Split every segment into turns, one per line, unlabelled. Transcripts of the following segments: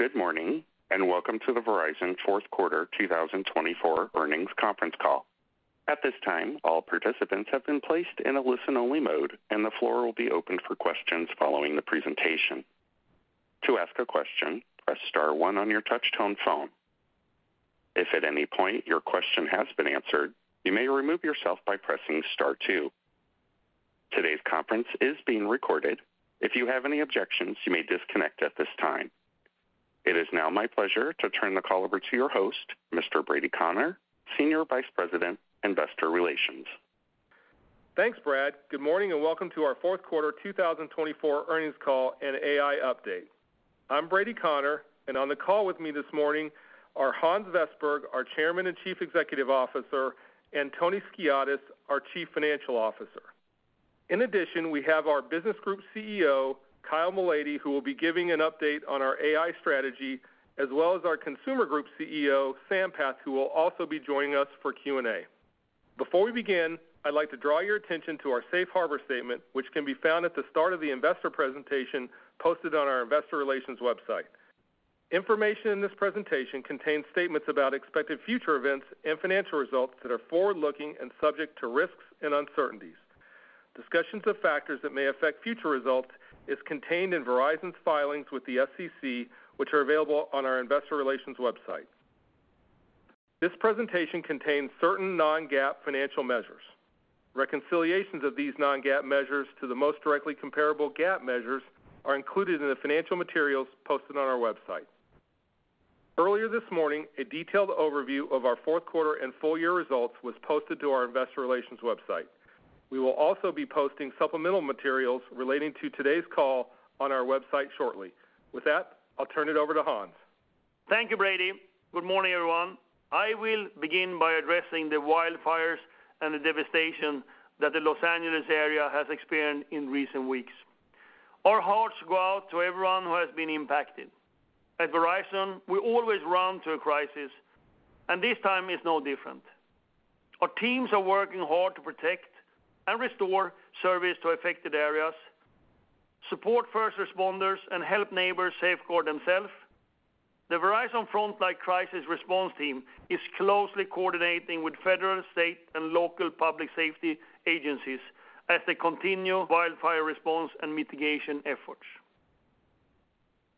Good morning and welcome to the Verizon Fourth Quarter 2024 earnings conference call. At this time, all participants have been placed in a listen-only mode, and the floor will be open for questions following the presentation. To ask a question, press star one on your touch-tone phone. If at any point your question has been answered, you may remove yourself by pressing star two. Today's conference is being recorded. If you have any objections, you may disconnect at this time. It is now my pleasure to turn the call over to your host, Mr. Brady Connor, Senior Vice President, Investor Relations.
Thanks, Brad. Good morning and welcome to our Fourth Quarter 2024 earnings call and AI update. I'm Brady Connor, and on the call with me this morning are Hans Vestberg, our Chairman and Chief Executive Officer, and Tony Skiadas, our Chief Financial Officer. In addition, we have our Business Group CEO, Kyle Malady, who will be giving an update on our AI strategy, as well as our Consumer Group CEO, Sampath, who will also be joining us for Q&A. Before we begin, I'd like to draw your attention to our Safe Harbor statement, which can be found at the start of the investor presentation posted on our Investor Relations website. Information in this presentation contains statements about expected future events and financial results that are forward-looking and subject to risks and uncertainties. Discussions of factors that may affect future results are contained in Verizon's filings with the SEC, which are available on our Investor Relations website. This presentation contains certain non-GAAP financial measures. Reconciliations of these non-GAAP measures to the most directly comparable GAAP measures are included in the financial materials posted on our website. Earlier this morning, a detailed overview of our fourth quarter and full year results was posted to our Investor Relations website. We will also be posting supplemental materials relating to today's call on our website shortly. With that, I'll turn it over to Hans.
Thank you, Brady. Good morning, everyone. I will begin by addressing the wildfires and the devastation that the Los Angeles area has experienced in recent weeks. Our hearts go out to everyone who has been impacted. At Verizon, we always run through a crisis, and this time is no different. Our teams are working hard to protect and restore service to affected areas, support first responders, and help neighbors safeguard themselves. The Verizon Frontline Crisis Response Team is closely coordinating with federal, state, and local public safety agencies as they continue wildfire response and mitigation efforts.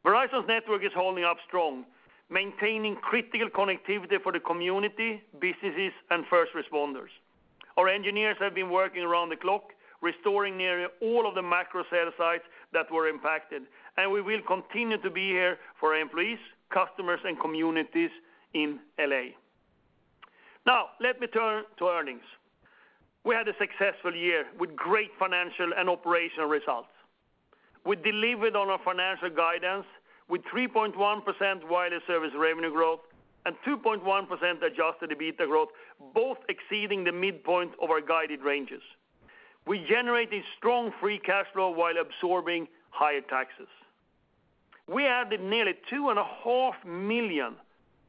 Verizon's network is holding up strong, maintaining critical connectivity for the community, businesses, and first responders. Our engineers have been working around the clock restoring nearly all of the macro sites that were impacted, and we will continue to be here for our employees, customers, and communities in L.A. Now, let me turn to earnings. We had a successful year with great financial and operational results. We delivered on our financial guidance with 3.1% wireless service revenue growth and 2.1% Adjusted EBITDA growth, both exceeding the midpoint of our guided ranges. We generated strong free cash flow while absorbing higher taxes. We added nearly 2.5 million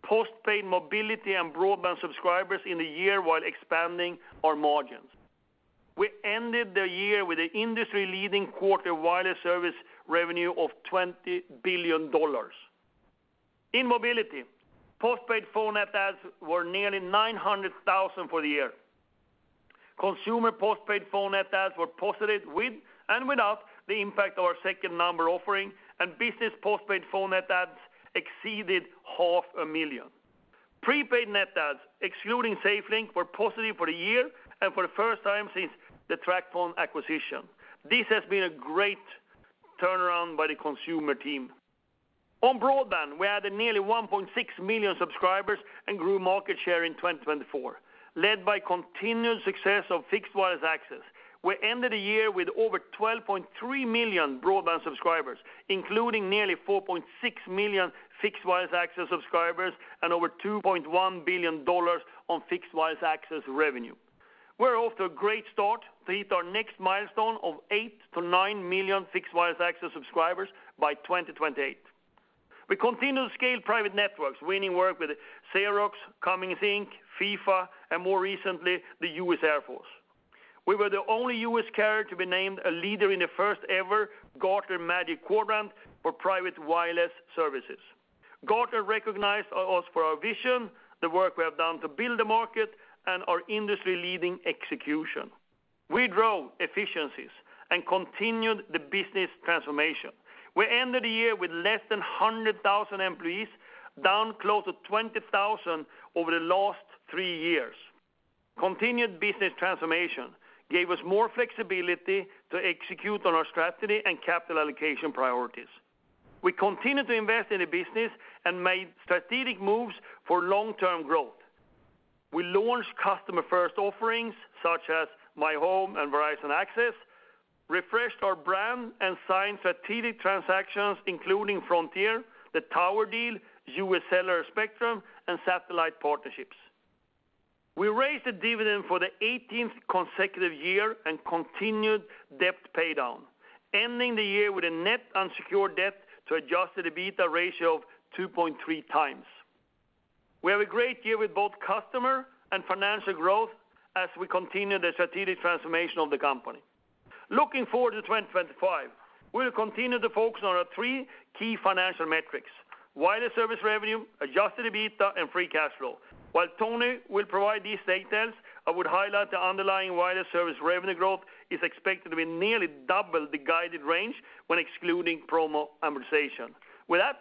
postpaid mobility and broadband subscribers in the year while expanding our margins. We ended the year with an industry-leading quarter wireless service revenue of $20 billion. In mobility, postpaid phone net adds were nearly 900,000 for the year. Consumer postpaid phone net adds were positive with and without the impact of our second number offering, and business postpaid phone net adds exceeded 500,000. Prepaid net adds, excluding SafeLink, were positive for the year and for the first time since the TracFone acquisition. This has been a great turnaround by the consumer team. On broadband, we added nearly 1.6 million subscribers and grew market share in 2024. Led by continued success of fixed wireless access, we ended the year with over 12.3 million broadband subscribers, including nearly 4.6 million fixed wireless access subscribers and over $2.1 billion on fixed wireless access revenue. We're off to a great start to hit our next milestone of 8-9 million fixed wireless access subscribers by 2028. We continue to scale private networks, winning work with Xerox, Cummins Inc., FIFA, and more recently, the U.S. Air Force. We were the only U.S. carrier to be named a leader in the first-ever Gartner Magic Quadrant for private wireless services. Gartner recognized us for our vision, the work we have done to build the market, and our industry-leading execution. We drove efficiencies and continued the business transformation. We ended the year with less than 100,000 employees, down close to 20,000 over the last three years. Continued business transformation gave us more flexibility to execute on our strategy and capital allocation priorities. We continued to invest in the business and made strategic moves for long-term growth. We launched customer-first offerings such as myHome and Verizon Access, refreshed our brand, and signed strategic transactions including Frontier, the Tower Deal, U.S. Cellular Spectrum, and satellite partnerships. We raised the dividend for the 18th consecutive year and continued debt paydown, ending the year with a net unsecured debt to Adjusted EBITDA ratio of 2.3x. We have a great year with both customer and financial growth as we continue the strategic transformation of the company. Looking forward to 2025, we will continue to focus on our three key financial metrics: wireless service revenue, Adjusted EBITDA, and free cash flow. While Tony will provide these details, I would highlight the underlying wireless service revenue growth is expected to be nearly double the guided range when excluding promo amortization. With that,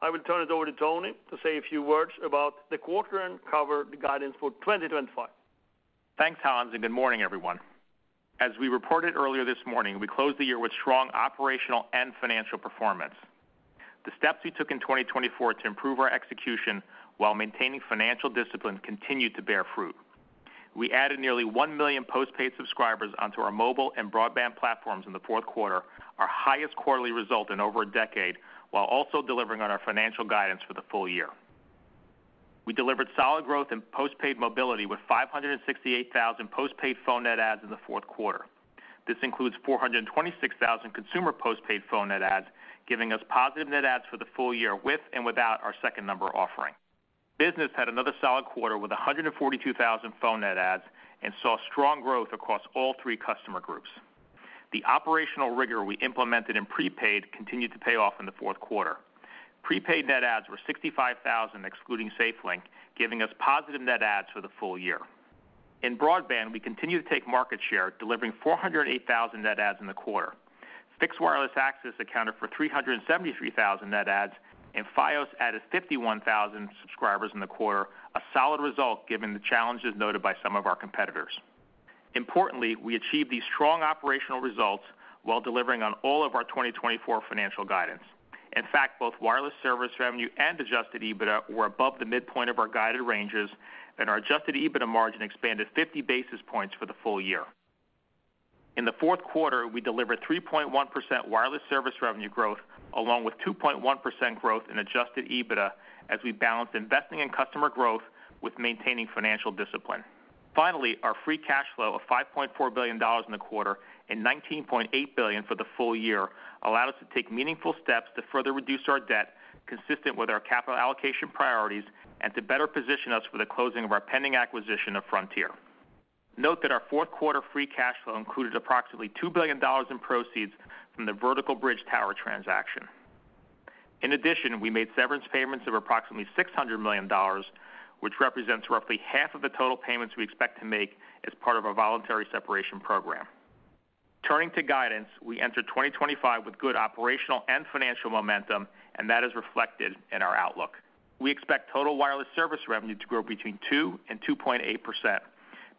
I will turn it over to Tony to say a few words about the quarter and cover the guidance for 2025.
Thanks, Hans, and good morning, everyone. As we reported earlier this morning, we closed the year with strong operational and financial performance. The steps we took in 2024 to improve our execution while maintaining financial discipline continued to bear fruit. We added nearly 1 million postpaid subscribers onto our mobile and broadband platforms in the fourth quarter, our highest quarterly result in over a decade, while also delivering on our financial guidance for the full year. We delivered solid growth in postpaid mobility with 568,000 postpaid phone net adds in the fourth quarter. This includes 426,000 consumer postpaid phone net adds, giving us positive net adds for the full year with and without our second number offering. Business had another solid quarter with 142,000 phone net adds and saw strong growth across all three customer groups. The operational rigor we implemented in prepaid continued to pay off in the fourth quarter. Prepaid net adds were 65,000, excluding SafeLink, giving us positive net adds for the full year. In broadband, we continue to take market share, delivering 408,000 net adds in the quarter. Fixed wireless access accounted for 373,000 net adds, and Fios added 51,000 subscribers in the quarter, a solid result given the challenges noted by some of our competitors. Importantly, we achieved these strong operational results while delivering on all of our 2024 financial guidance. In fact, both wireless service revenue and Adjusted EBITDA were above the midpoint of our guided ranges, and our Adjusted EBITDA margin expanded 50 basis points for the full year. In the fourth quarter, we delivered 3.1% wireless service revenue growth along with 2.1% growth in Adjusted EBITDA as we balanced investing in customer growth with maintaining financial discipline. Finally, our free cash flow of $5.4 billion in the quarter and $19.8 billion for the full year allowed us to take meaningful steps to further reduce our debt consistent with our capital allocation priorities and to better position us for the closing of our pending acquisition of Frontier. Note that our fourth quarter free cash flow included approximately $2 billion in proceeds from the Vertical Bridge tower transaction. In addition, we made severance payments of approximately $600 million, which represents roughly half of the total payments we expect to make as part of our voluntary separation program. Turning to guidance, we entered 2025 with good operational and financial momentum, and that is reflected in our outlook. We expect total wireless service revenue to grow between 2 and 2.8%.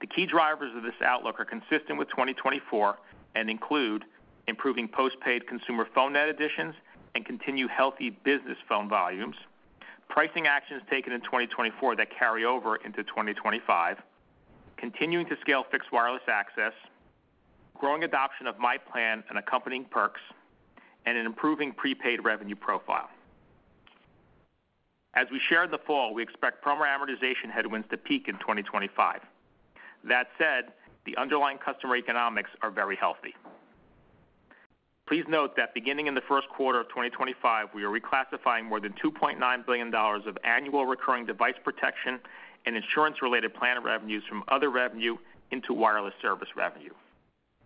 The key drivers of this outlook are consistent with 2024 and include improving postpaid consumer phone net additions and continued healthy business phone volumes, pricing actions taken in 2024 that carry over into 2025, continuing to scale fixed wireless access, growing adoption of myPlan and accompanying perks, and an improving prepaid revenue profile. As we share in the fall, we expect promo amortization headwinds to peak in 2025. That said, the underlying customer economics are very healthy. Please note that beginning in the first quarter of 2025, we are reclassifying more than $2.9 billion of annual recurring device protection and insurance-related plan revenues from other revenue into wireless service revenue.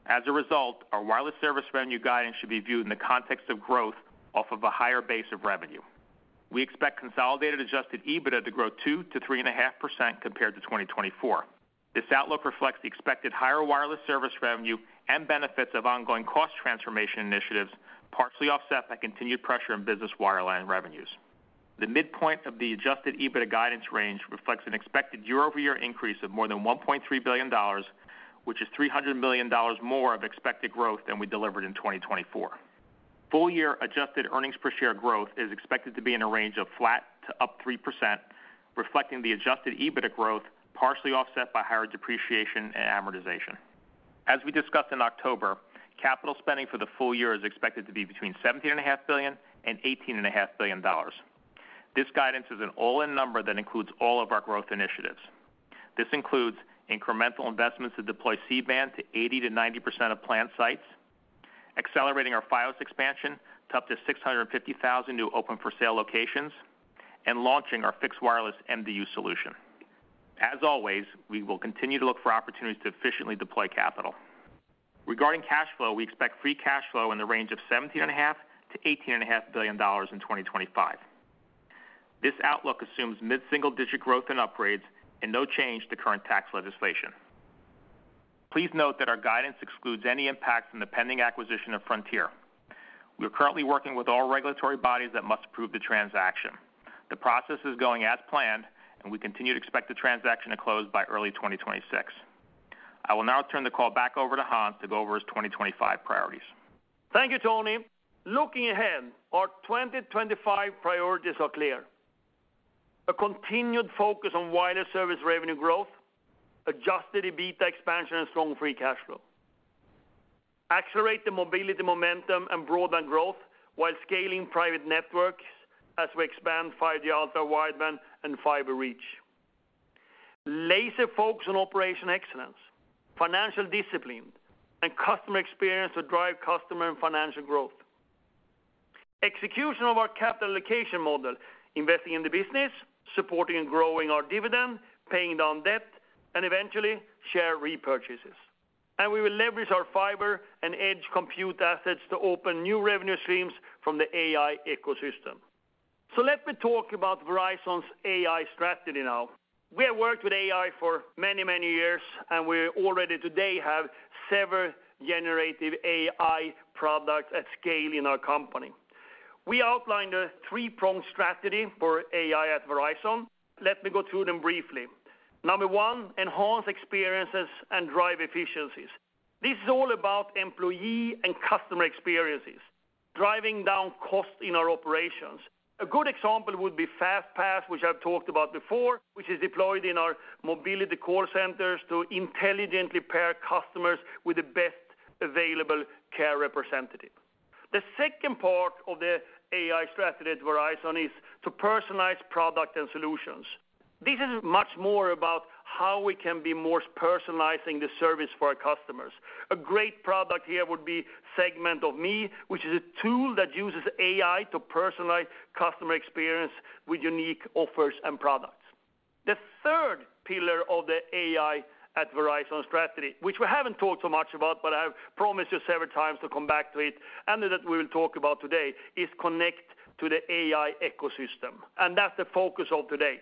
As a result, our wireless service revenue guidance should be viewed in the context of growth off of a higher base of revenue. We expect consolidated Adjusted EBITDA to grow 2%-3.5% compared to 2024. This outlook reflects the expected higher wireless service revenue and benefits of ongoing cost transformation initiatives, partially offset by continued pressure on business wireline revenues. The midpoint of the Adjusted EBITDA guidance range reflects an expected year-over-year increase of more than $1.3 billion, which is $300 million more of expected growth than we delivered in 2024. Full-year adjusted earnings per share growth is expected to be in a range of flat to up 3%, reflecting the Adjusted EBITDA growth, partially offset by higher depreciation and amortization. As we discussed in October, capital spending for the full year is expected to be between $17.5 billion-$18.5 billion. This guidance is an all-in number that includes all of our growth initiatives. This includes incremental investments to deploy C-Band to 80%-90% of plant sites, accelerating our Fios expansion to up to 650,000 new open-for-sale locations, and launching our fixed wireless MDU solution. As always, we will continue to look for opportunities to efficiently deploy capital. Regarding cash flow, we expect free cash flow in the range of $17.5 billion-$18.5 billion in 2025. This outlook assumes mid-single-digit growth and upgrades and no change to current tax legislation. Please note that our guidance excludes any impact from the pending acquisition of Frontier. We are currently working with all regulatory bodies that must approve the transaction. The process is going as planned, and we continue to expect the transaction to close by early 2026. I will now turn the call back over to Hans to go over his 2025 priorities.
Thank you, Tony. Looking ahead, our 2025 priorities are clear: a continued focus on wireless service revenue growth, Adjusted EBITDA expansion, and strong free cash flow. Accelerate the mobility momentum and broadband growth while scaling private networks as we expand 5G Ultra wireless and fiber reach. Laser focus on operational excellence, financial discipline, and customer experience to drive customer and financial growth. Execution of our capital allocation model, investing in the business, supporting and growing our dividend, paying down debt, and eventually share repurchases, and we will leverage our fiber and Edge Compute assets to open new revenue streams from the AI ecosystem. So let me talk about Verizon's AI strategy now. We have worked with AI for many, many years, and we already today have several Generative AI products at scale in our company. We outlined a three-pronged strategy for AI at Verizon. Let me go through them briefly. Number one, enhance experiences and drive efficiencies. This is all about employee and customer experiences, driving down costs in our operations. A good example would be FastPass, which I've talked about before, which is deployed in our mobility call centers to intelligently pair customers with the best available care representative. The second part of the AI strategy at Verizon is to personalize product and solutions. This is much more about how we can be more personalizing the service for our customers. A great product here would be Segment of Me, which is a tool that uses AI to personalize customer experience with unique offers and products. The third pillar of the AI at Verizon strategy, which we haven't talked so much about, but I have promised you several times to come back to it, and that we will talk about today, is connect to the AI ecosystem. That's the focus of today.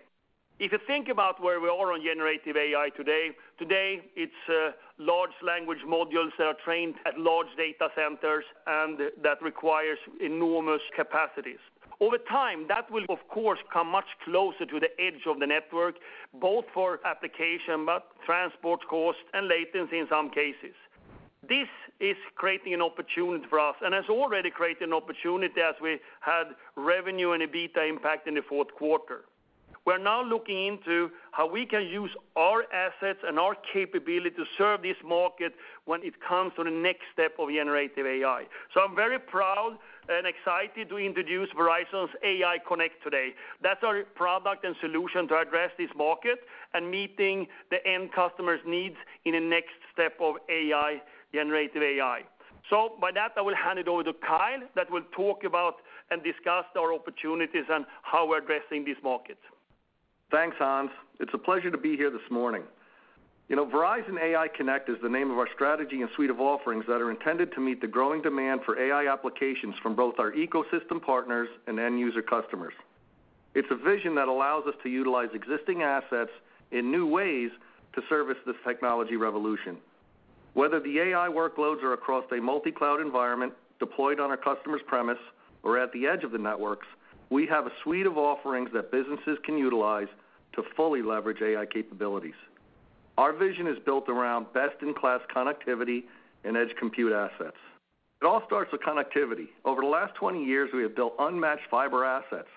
If you think about where we are on generative AI today, today it's large language models that are trained at large data centers and that require enormous capacities. Over time, that will, of course, come much closer to the edge of the network, both for application, but transport cost and latency in some cases. This is creating an opportunity for us and has already created an opportunity as we had revenue and EBITDA impact in the fourth quarter. We're now looking into how we can use our assets and our capability to serve this market when it comes to the next step of generative AI. I'm very proud and excited to introduce Verizon AI Connect today. That's our product and solution to address this market and meeting the end customer's needs in the next step of AI, generative AI. With that, I will hand it over to Kyle, who will talk about and discuss our opportunities and how we're addressing this market.
Thanks, Hans. It's a pleasure to be here this morning. You know, Verizon AI Connect is the name of our strategy and suite of offerings that are intended to meet the growing demand for AI applications from both our ecosystem partners and end user customers. It's a vision that allows us to utilize existing assets in new ways to service this technology revolution. Whether the AI workloads are across a multi-cloud environment deployed on our customer's premise or at the edge of the networks, we have a suite of offerings that businesses can utilize to fully leverage AI capabilities. Our vision is built around best-in-class connectivity and edge compute assets. It all starts with connectivity. Over the last 20 years, we have built unmatched fiber assets,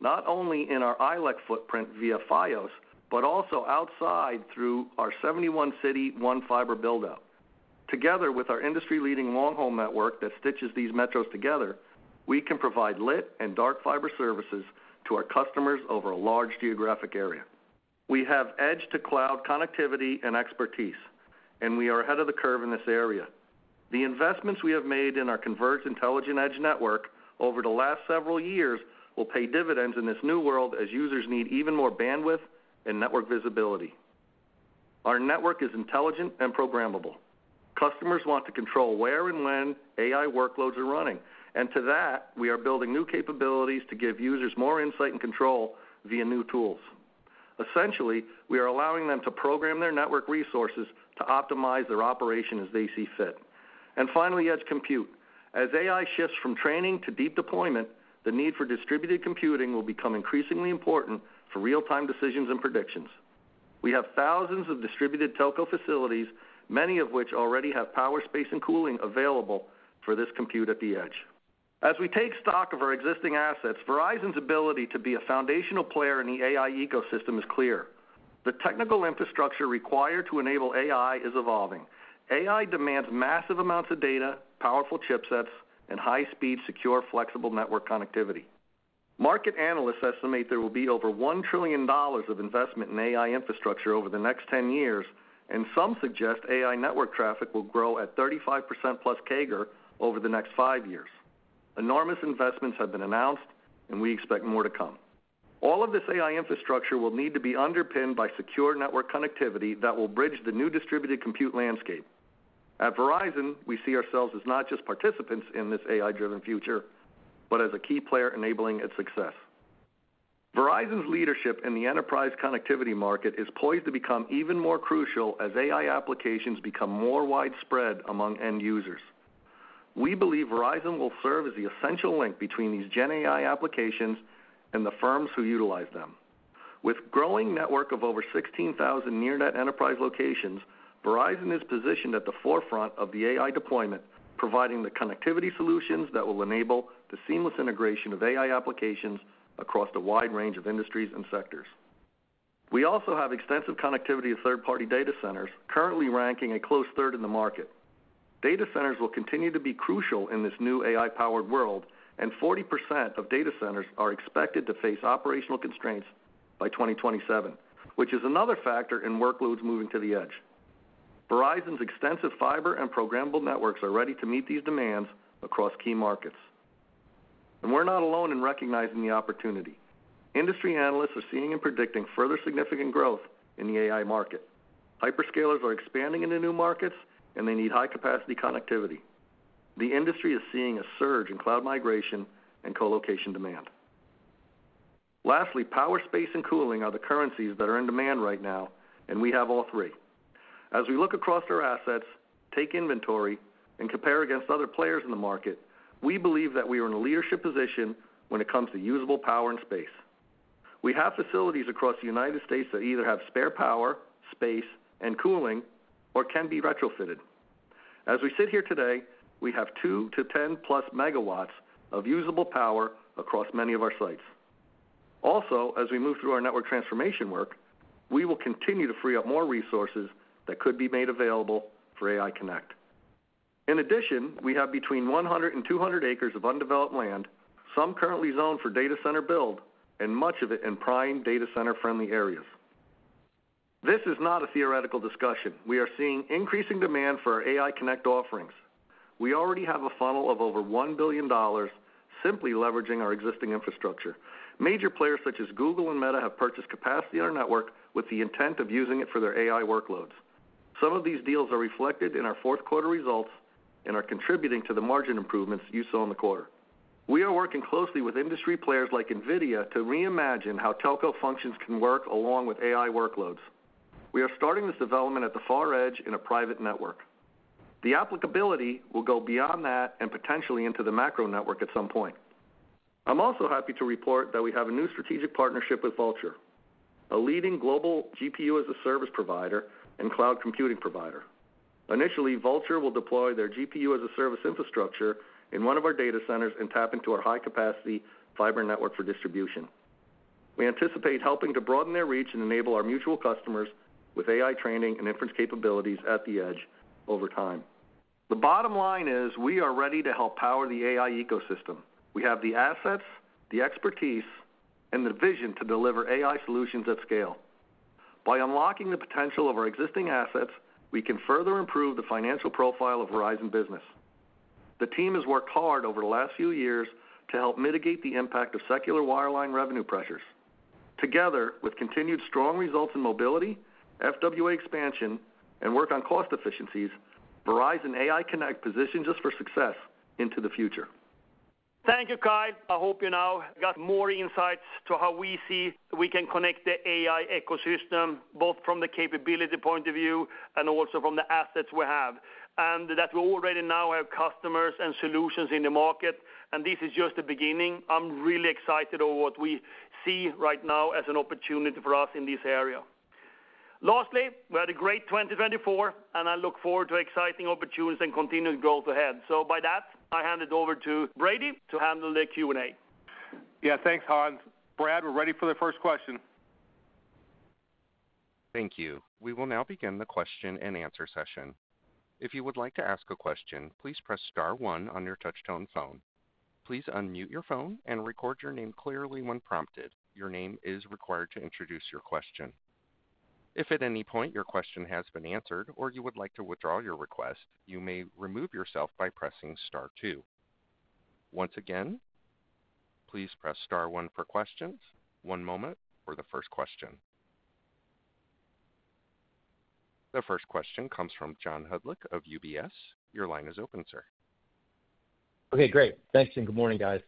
not only in our ILEC footprint via Fios, but also outside through our 71-city One Fiber buildup. Together with our industry-leading long-haul network that stitches these metros together, we can provide lit and dark fiber services to our customers over a large geographic area. We have edge-to-cloud connectivity and expertise, and we are ahead of the curve in this area. The investments we have made in our converged intelligent edge network over the last several years will pay dividends in this new world as users need even more bandwidth and network visibility. Our network is intelligent and programmable. Customers want to control where and when AI workloads are running. And to that, we are building new capabilities to give users more insight and control via new tools. Essentially, we are allowing them to program their network resources to optimize their operation as they see fit. And finally, edge compute. As AI shifts from training to deep deployment, the need for distributed computing will become increasingly important for real-time decisions and predictions. We have thousands of distributed telco facilities, many of which already have power space and cooling available for this compute at the edge. As we take stock of our existing assets, Verizon's ability to be a foundational player in the AI ecosystem is clear. The technical infrastructure required to enable AI is evolving. AI demands massive amounts of data, powerful chipsets, and high-speed, secure, flexible network connectivity. Market analysts estimate there will be over $1 trillion of investment in AI infrastructure over the next 10 years, and some suggest AI network traffic will grow at 35%+ CAGR over the next five years. Enormous investments have been announced, and we expect more to come. All of this AI infrastructure will need to be underpinned by secure network connectivity that will bridge the new distributed compute landscape. At Verizon, we see ourselves as not just participants in this AI-driven future, but as a key player enabling its success. Verizon's leadership in the enterprise connectivity market is poised to become even more crucial as AI applications become more widespread among end users. We believe Verizon will serve as the essential link between these Gen AI applications and the firms who utilize them. With a growing network of over 16,000 near-net enterprise locations, Verizon is positioned at the forefront of the AI deployment, providing the connectivity solutions that will enable the seamless integration of AI applications across a wide range of industries and sectors. We also have extensive connectivity of third-party data centers currently ranking a close third in the market. Data centers will continue to be crucial in this new AI-powered world, and 40% of data centers are expected to face operational constraints by 2027, which is another factor in workloads moving to the edge. Verizon's extensive fiber and programmable networks are ready to meet these demands across key markets. And we're not alone in recognizing the opportunity. Industry analysts are seeing and predicting further significant growth in the AI market. Hyperscalers are expanding into new markets, and they need high-capacity connectivity. The industry is seeing a surge in cloud migration and colocation demand. Lastly, power space and cooling are the currencies that are in demand right now, and we have all three. As we look across our assets, take inventory, and compare against other players in the market, we believe that we are in a leadership position when it comes to usable power and space. We have facilities across the United States that either have spare power, space, and cooling, or can be retrofitted. As we sit here today, we have two to 10+ MW of usable power across many of our sites. Also, as we move through our network transformation work, we will continue to free up more resources that could be made available for AI Connect. In addition, we have between 100 and 200 acres of undeveloped land, some currently zoned for data center build, and much of it in prime data center-friendly areas. This is not a theoretical discussion. We are seeing increasing demand for our AI Connect offerings. We already have a funnel of over $1 billion simply leveraging our existing infrastructure. Major players such as Google and Meta have purchased capacity on our network with the intent of using it for their AI workloads. Some of these deals are reflected in our fourth quarter results and are contributing to the margin improvements you saw in the quarter. We are working closely with industry players like NVIDIA to reimagine how telco functions can work along with AI workloads. We are starting this development at the far edge in a private network. The applicability will go beyond that and potentially into the macro network at some point. I'm also happy to report that we have a new strategic partnership with Vultr, a leading global GPU-as-a-service provider and cloud computing provider. Initially, Vultr will deploy their GPU-as-a-service infrastructure in one of our data centers and tap into our high-capacity fiber network for distribution. We anticipate helping to broaden their reach and enable our mutual customers with AI training and inference capabilities at the edge over time. The bottom line is we are ready to help power the AI ecosystem. We have the assets, the expertise, and the vision to deliver AI solutions at scale. By unlocking the potential of our existing assets, we can further improve the financial profile of Verizon Business. The team has worked hard over the last few years to help mitigate the impact of secular wireline revenue pressures. Together with continued strong results in mobility, FWA expansion, and work on cost efficiencies, Verizon AI Connect positions us for success into the future.
Thank you, Kyle. I hope you now got more insights to how we see we can connect the AI ecosystem, both from the capability point of view and also from the assets we have, and that we already now have customers and solutions in the market. And this is just the beginning. I'm really excited over what we see right now as an opportunity for us in this area. Lastly, we had a great 2024, and I look forward to exciting opportunities and continued growth ahead. So by that, I hand it over to Brady to handle the Q&A.
Yeah, thanks, Hans. Brad, we're ready for the first question.
Thank you. We will now begin the question-and-answer session. If you would like to ask a question, please press star one on your touch-tone phone. Please unmute your phone and record your name clearly when prompted. Your name is required to introduce your question. If at any point your question has been answered or you would like to withdraw your request, you may remove yourself by pressing star two. Once again, please press star one for questions. One moment for the first question. The first question comes from John Hodulik of UBS. Your line is open, sir.
Okay, great. Thanks and good morning, guys.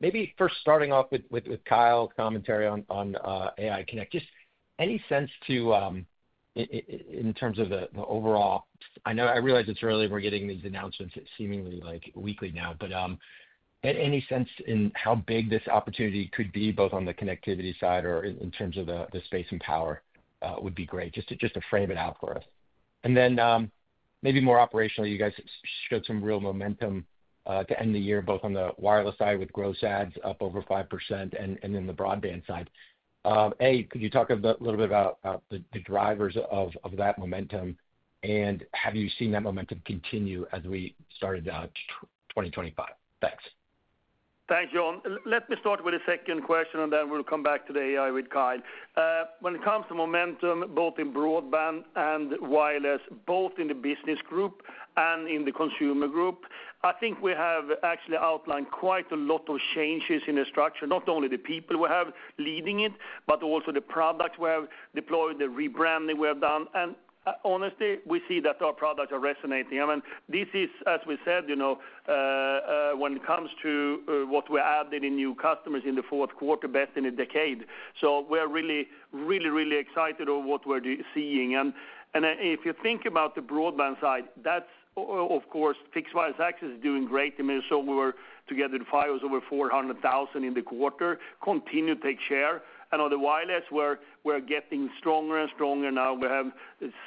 Maybe first starting off with Kyle's commentary on AI Connect, just any sense to, in terms of the overall, I know I realize it's early, we're getting these announcements seemingly like weekly now, but any sense in how big this opportunity could be, both on the connectivity side or in terms of the space and power would be great, just to frame it out for us. And then maybe more operationally, you guys showed some real momentum to end the year, both on the wireless side with gross adds up over 5% and then the broadband side. Could you talk a little bit about the drivers of that momentum and have you seen that momentum continue as we started out 2025? Thanks.
Thanks, John. Let me start with the second question and then we'll come back to the AI with Kyle. When it comes to momentum, both in broadband and wireless, both in the business group and in the consumer group, I think we have actually outlined quite a lot of changes in the structure, not only the people we have leading it, but also the products we have deployed, the rebranding we have done. And honestly, we see that our products are resonating. I mean, this is, as we said, you know, when it comes to what we're adding in new customers in the fourth quarter, best in a decade. So we're really, really, really excited over what we're seeing. And if you think about the broadband side, that's of course fixed wireless access is doing great. And so we were together with Fios over 400,000 in the quarter, continue to take share. And on the wireless, we're getting stronger and stronger now. We have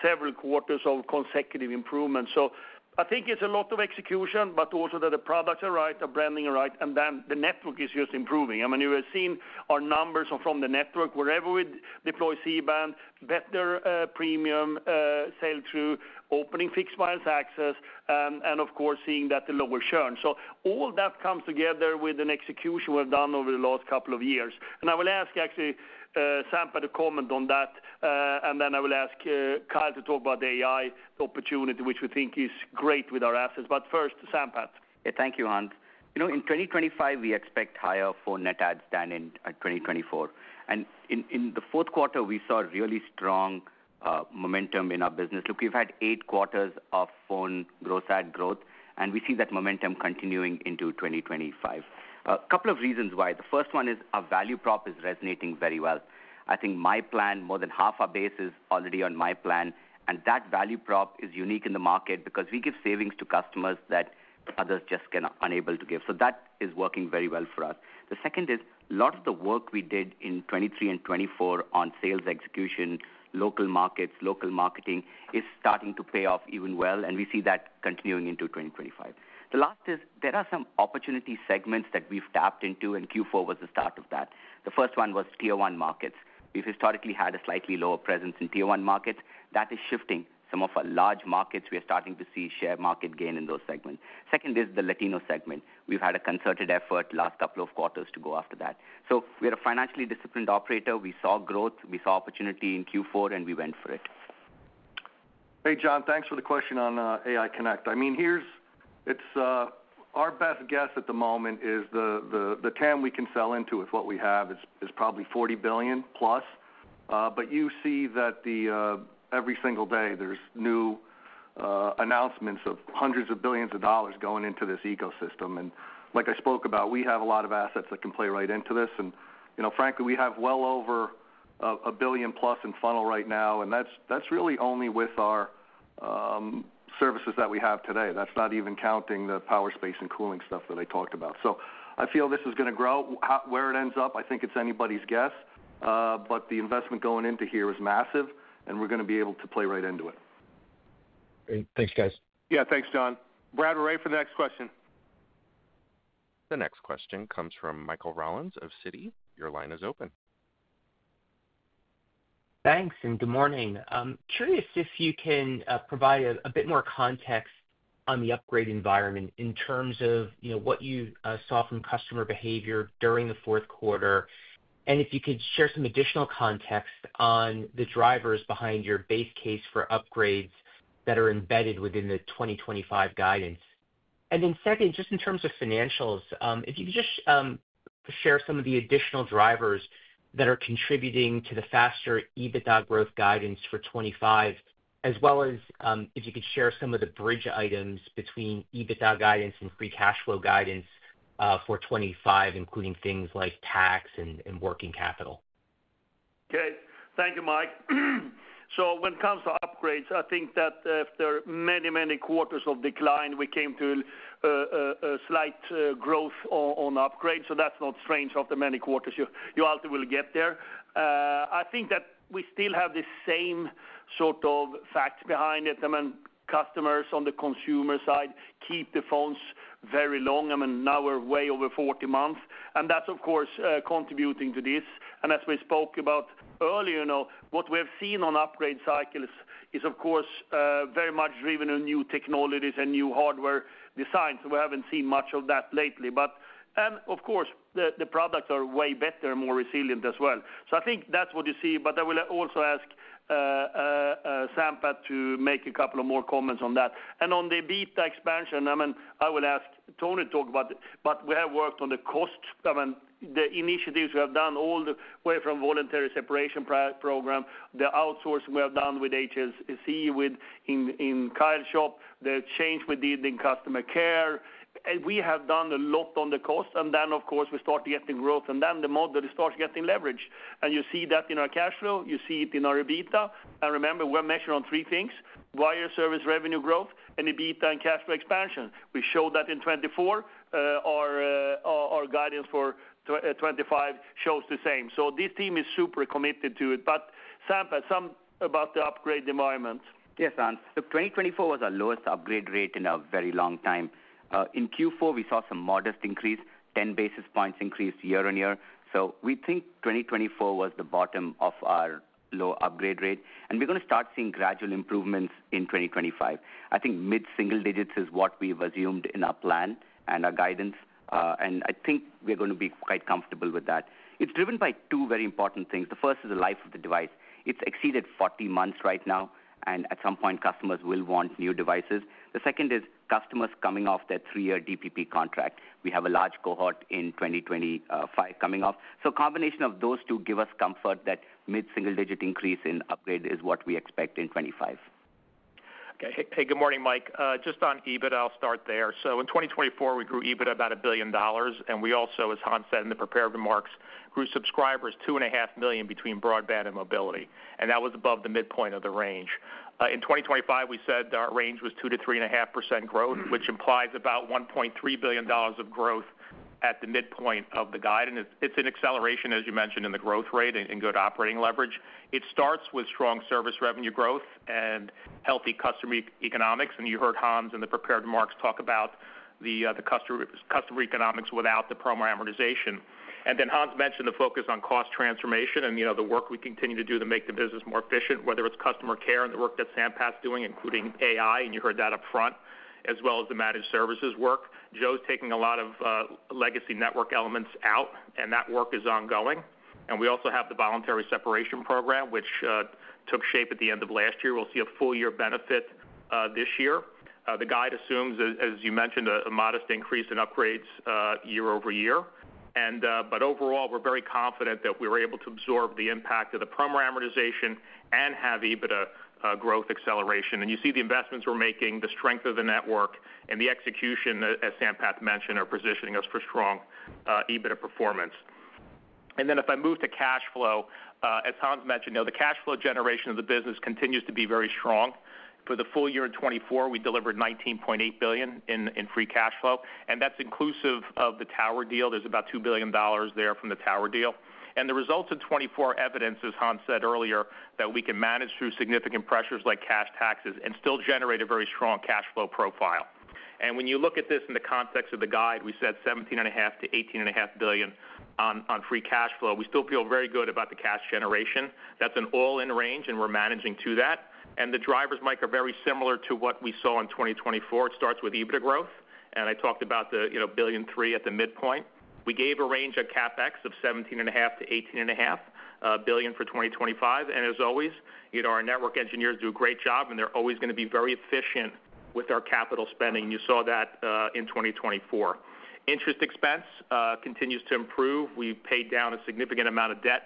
several quarters of consecutive improvements. So I think it's a lot of execution, but also that the products are right, the branding are right, and then the network is just improving. I mean, you have seen our numbers from the network, wherever we deploy C-Band, better premium sale through opening Verizon Access, and of course, seeing that the lower churn. So all that comes together with an execution we've done over the last couple of years. And I will ask actually Sampath to comment on that, and then I will ask Kyle to talk about the AI opportunity, which we think is great with our assets. But first, Sampath.
Yeah, thank you, Hans. You know, in 2025, we expect higher phone net adds than in 2024. And in the fourth quarter, we saw a really strong momentum in our business. Look, we've had eight quarters of phone gross add growth, and we see that momentum continuing into 2025. A couple of reasons why. The first one is our value prop is resonating very well. I think my plan, more than half our base is already on my plan, and that value prop is unique in the market because we give savings to customers that others just cannot be able to give. So that is working very well for us. The second is a lot of the work we did in 2023 and 2024 on sales execution, local markets, local marketing is starting to pay off even well, and we see that continuing into 2025. The last is there are some opportunity segments that we've tapped into, and Q4 was the start of that. The first one was tier one markets. We've historically had a slightly lower presence in tier one markets. That is shifting. Some of our large markets, we are starting to see share market gain in those segments. Second is the Latino segment. We've had a concerted effort last couple of quarters to go after that. So we are a financially disciplined operator. We saw growth, we saw opportunity in Q4, and we went for it.
Hey, John, thanks for the question on AI Connect. I mean, here's our best guess at the moment is the TAM we can sell into with what we have is probably $40 billion+. But you see that every single day there's new announcements of hundreds of billions of dollars going into this ecosystem, and like I spoke about, we have a lot of assets that can play right into this, and frankly, we have well over $1 billion+ in funnel right now, and that's really only with our services that we have today. That's not even counting the power space and cooling stuff that I talked about, so I feel this is going to grow. Where it ends up, I think it's anybody's guess, but the investment going into here is massive, and we're going to be able to play right into it.
Great. Thanks, guys.
Yeah, thanks, John. Brad, we're ready for the next question.
The next question comes from Michael Rollins of Citi. Your line is open.
Thanks and good morning. I'm curious if you can provide a bit more context on the upgrade environment in terms of what you saw from customer behavior during the fourth quarter, and if you could share some additional context on the drivers behind your base case for upgrades that are embedded within the 2025 guidance, and then second, just in terms of financials, if you could just share some of the additional drivers that are contributing to the faster EBITDA growth guidance for 2025, as well as if you could share some of the bridge items between EBITDA guidance and free cash flow guidance for 2025, including things like tax and working capital.
Okay. Thank you, Mike. So when it comes to upgrades, I think that after many, many quarters of decline, we came to a slight growth on upgrades. So that's not strange after many quarters. You ultimately will get there. I think that we still have the same sort of facts behind it. I mean, customers on the consumer side keep the phones very long. I mean, now we're way over 40 months, and that's of course contributing to this. And as we spoke about earlier, what we have seen on upgrade cycles is of course very much driven in new technologies and new hardware design. So we haven't seen much of that lately. And of course, the products are way better and more resilient as well. So I think that's what you see. But I will also ask Sampath to make a couple of more comments on that. On the EBITDA expansion, I mean, I will ask Tony to talk about it, but we have worked on the cost. I mean, the initiatives we have done all the way from voluntary separation program, the outsourcing we have done with HSC in Kyle's shop, the change we did in customer care. We have done a lot on the cost. Then of course, we started getting growth, and then the model starts getting leveraged. You see that in our cash flow. You see it in our EBITDA. Remember, we're measured on three things: wireless service revenue growth, EBITDA, and cash flow expansion. We showed that in 2024. Our guidance for 2025 shows the same. This team is super committed to it. But Sampath, something about the upgrade environment.
Yes, Hans. Look, 2024 was our lowest upgrade rate in a very long time. In Q4, we saw some modest increase, 10 basis points increased year on year, so we think 2024 was the bottom of our low upgrade rate, and we're going to start seeing gradual improvements in 2025. I think mid-single digits is what we've assumed in our plan and our guidance, and I think we're going to be quite comfortable with that. It's driven by two very important things. The first is the life of the device. It's exceeded 40 months right now, and at some point, customers will want new devices. The second is customers coming off their three-year DPP contract. We have a large cohort in 2025 coming off, so a combination of those two gives us comfort that mid-single digit increase in upgrade is what we expect in 2025.
Okay. Hey, good morning, Mike. Just on EBITDA, I'll start there. So in 2024, we grew EBITDA about $1 billion. And we also, as Hans said in the prepared remarks, grew subscribers 2.5 million between broadband and mobility. And that was above the midpoint of the range. In 2025, we said our range was 2%-3.5% growth, which implies about $1.3 billion of growth at the midpoint of the guidance. It's an acceleration, as you mentioned, in the growth rate and good operating leverage. It starts with strong service revenue growth and healthy customer economics. And you heard Hans in the prepared remarks talk about the customer economics without the program amortization. And then Hans mentioned the focus on cost transformation and the work we continue to do to make the business more efficient, whether it's customer care and the work that Sampath is doing, including AI, and you heard that upfront, as well as the managed services work. Joe's taking a lot of legacy network elements out, and that work is ongoing. And we also have the voluntary separation program, which took shape at the end of last year. We'll see a full year benefit this year. The guide assumes, as you mentioned, a modest increase in upgrades year over year. But overall, we're very confident that we were able to absorb the impact of the program amortization and have EBITDA growth acceleration. And you see the investments we're making, the strength of the network, and the execution, as Sampath mentioned, are positioning us for strong EBITDA performance. Then if I move to cash flow, as Hans mentioned, the cash flow generation of the business continues to be very strong. For the full year in 2024, we delivered $19.8 billion in free cash flow. And that's inclusive of the tower deal. There's about $2 billion there from the tower deal. And the results in 2024 evidence, as Hans said earlier, that we can manage through significant pressures like cash taxes and still generate a very strong cash flow profile. And when you look at this in the context of the guide, we said $17.5 billion-$18.5 billion on free cash flow. We still feel very good about the cash generation. That's an all-in range, and we're managing to that. And the drivers, Mike, are very similar to what we saw in 2024. It starts with EBITDA growth. And I talked about the $1.3 billion at the midpoint. We gave a range at CapEx of $17.5 billion-$18.5 billion for 2025. And as always, our network engineers do a great job, and they're always going to be very efficient with our capital spending. And you saw that in 2024. Interest expense continues to improve. We paid down a significant amount of debt.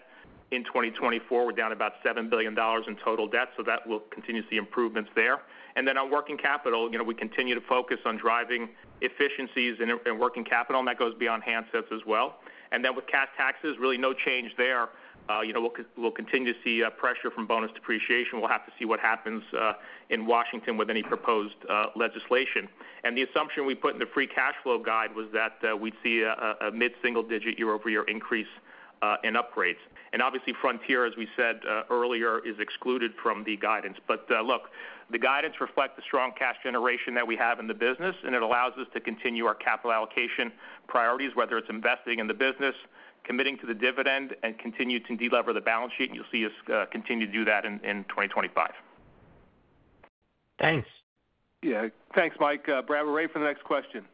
In 2024, we're down about $7 billion in total debt. So that will continue to see improvements there. And then on working capital, we continue to focus on driving efficiencies in working capital. And that goes beyond handsets as well. And then with cash taxes, really no change there. We'll continue to see pressure from bonus depreciation. We'll have to see what happens in Washington with any proposed legislation. And the assumption we put in the free cash flow guide was that we'd see a mid-single digit year over year increase in upgrades. Obviously, Frontier, as we said earlier, is excluded from the guidance. Look, the guidance reflects the strong cash generation that we have in the business, and it allows us to continue our capital allocation priorities, whether it's investing in the business, committing to the dividend, and continue to deliver the balance sheet. You'll see us continue to do that in 2025.
Thanks.
Yeah. Thanks, Mike. Brad we're waiting for the next question.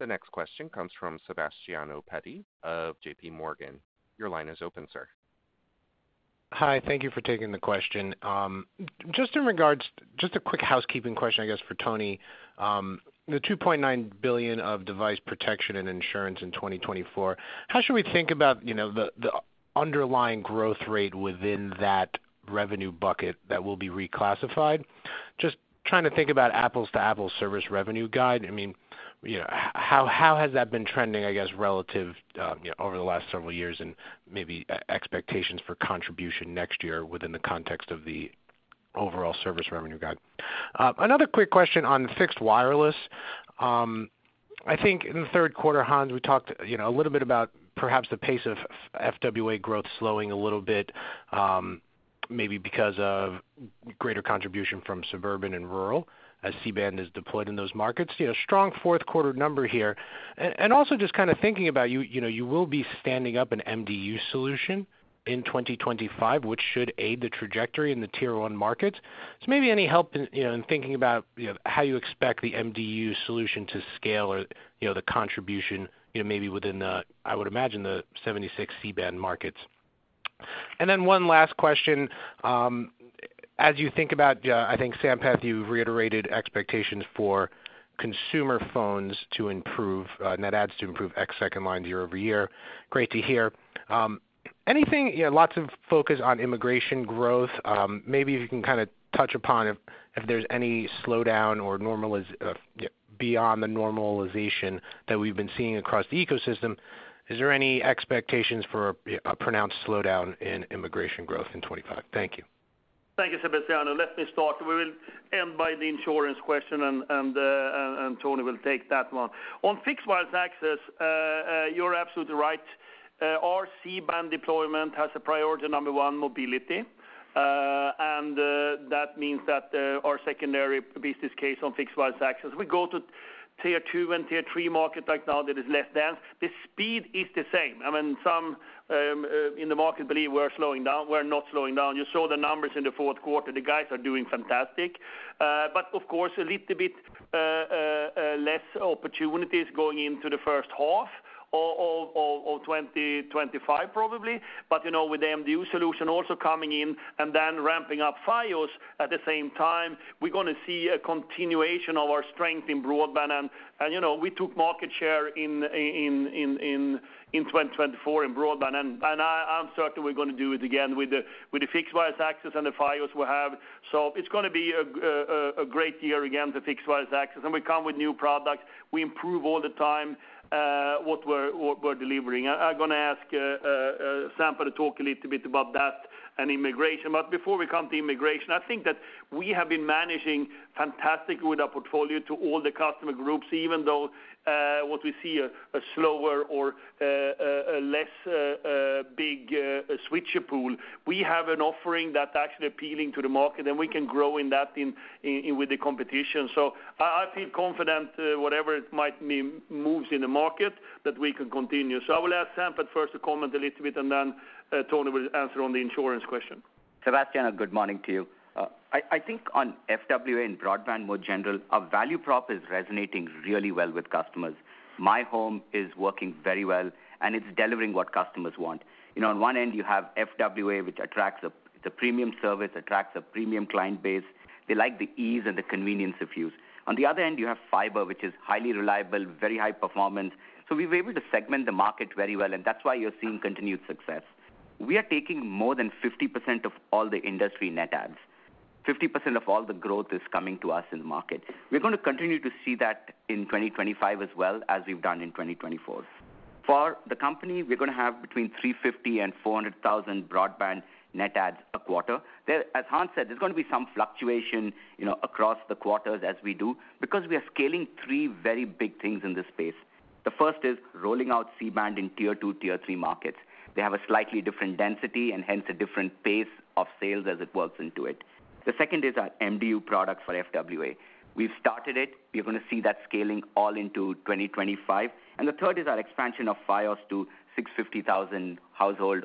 The next question comes from Sebastiano Petti of JPMorgan. Your line is open, sir.
Hi. Thank you for taking the question. Just in regards, just a quick housekeeping question, I guess, for Tony. The $2.9 billion of device protection and insurance in 2024, how should we think about the underlying growth rate within that revenue bucket that will be reclassified? Just trying to think about apples to apples service revenue guide. I mean, how has that been trending, I guess, relative over the last several years and maybe expectations for contribution next year within the context of the overall service revenue guide? Another quick question on fixed wireless. I think in the third quarter, Hans, we talked a little bit about perhaps the pace of FWA growth slowing a little bit, maybe because of greater contribution from suburban and rural as C-Band is deployed in those markets. Strong fourth quarter number here. Also just kind of thinking about you will be standing up an MDU solution in 2025, which should aid the trajectory in the tier one markets. So maybe any help in thinking about how you expect the MDU solution to scale or the contribution maybe within, I would imagine, the 76 C-Band markets. And then one last question. As you think about, I think, Sampath, you've reiterated expectations for consumer phones to improve, and that adds to improve existing second lines year over year. Great to hear. Anything, lots of focus on acquisition growth. Maybe if you can kind of touch upon if there's any slowdown or beyond the normalization that we've been seeing across the ecosystem, is there any expectations for a pronounced slowdown in acquisition growth in 2025? Thank you.
Thank you, Sebastiano. Let me start. We will end with the insurance question, and Tony will take that one. On fixed wireless access, you're absolutely right. Our C-Band deployment has a priority number one, mobility. And that means that our secondary business case on fixed wireless access. We go to tier two and tier three markets right now that is less dense. The speed is the same. I mean, some in the market believe we're slowing down. We're not slowing down. You saw the numbers in the fourth quarter. The guys are doing fantastic. But of course, a little bit less opportunities going into the first half of 2025, probably. But with the MDU solution also coming in and then ramping up Fios at the same time, we're going to see a continuation of our strength in broadband. And we took market share in 2024 in broadband. And I'm certain we're going to do it again with the fixed wireless access and the Fios we have. So it's going to be a great year again for fixed wireless access. And we come with new products. We improve all the time what we're delivering. I'm going to ask Sampath to talk a little bit about that and migration. But before we come to migration, I think that we have been managing fantastically with our portfolio to all the customer groups, even though what we see is a slower or less big switcher pool. We have an offering that's actually appealing to the market, and we can grow in that with the competition. So I feel confident, whatever it might be moves in the market, that we can continue. So I will ask Sampath first to comment a little bit, and then Tony will answer on the acquisition question.
Sebastiano, good morning to you. I think on FWA and broadband more general, our value prop is resonating really well with customers. My Home is working very well, and it's delivering what customers want. On one end, you have FWA, which attracts a premium service, attracts a premium client base. They like the ease and the convenience of use. On the other end, you have fiber, which is highly reliable, very high performance. So we've been able to segment the market very well, and that's why you're seeing continued success. We are taking more than 50% of all the industry net adds. 50% of all the growth is coming to us in the market. We're going to continue to see that in 2025 as well, as we've done in 2024. For the company, we're going to have between 350,000 and 400,000 broadband net adds a quarter. As Hans said, there's going to be some fluctuation across the quarters as we do because we are scaling three very big things in this space. The first is rolling out C-Band in tier two, tier three markets. They have a slightly different density and hence a different pace of sales as it works into it. The second is our MDU product for FWA. We've started it. We're going to see that scaling all into 2025. And the third is our expansion of Fios to 650,000 households.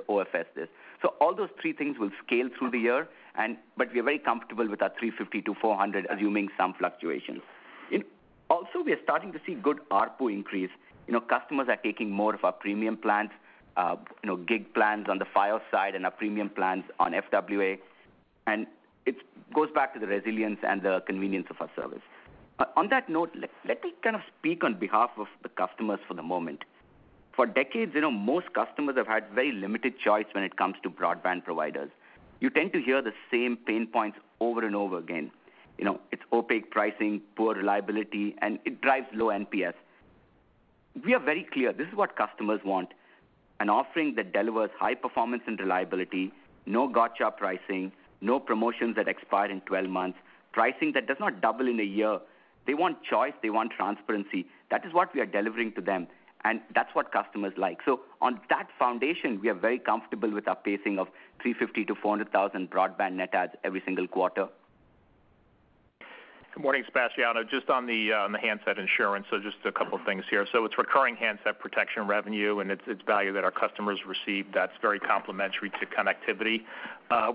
So all those three things will scale through the year, but we are very comfortable with our 350-400, assuming some fluctuations. Also, we are starting to see good ARPU increase. Customers are taking more of our premium plans, gig plans on the Fios side and our premium plans on FWA. And it goes back to the resilience and the convenience of our service. On that note, let me kind of speak on behalf of the customers for the moment. For decades, most customers have had very limited choice when it comes to broadband providers. You tend to hear the same pain points over and over again. It's opaque pricing, poor reliability, and it drives low NPS. We are very clear. This is what customers want: an offering that delivers high performance and reliability, no gotcha pricing, no promotions that expire in 12 months, pricing that does not double in a year. They want choice. They want transparency. That is what we are delivering to them, and that's what customers like. So on that foundation, we are very comfortable with our pacing of 350,000-400,000 broadband net adds every single quarter.
Good morning, Sebastiano. Just on the handset insurance, so just a couple of things here. It's recurring handset protection revenue, and it's value that our customers receive. That's very complementary to connectivity.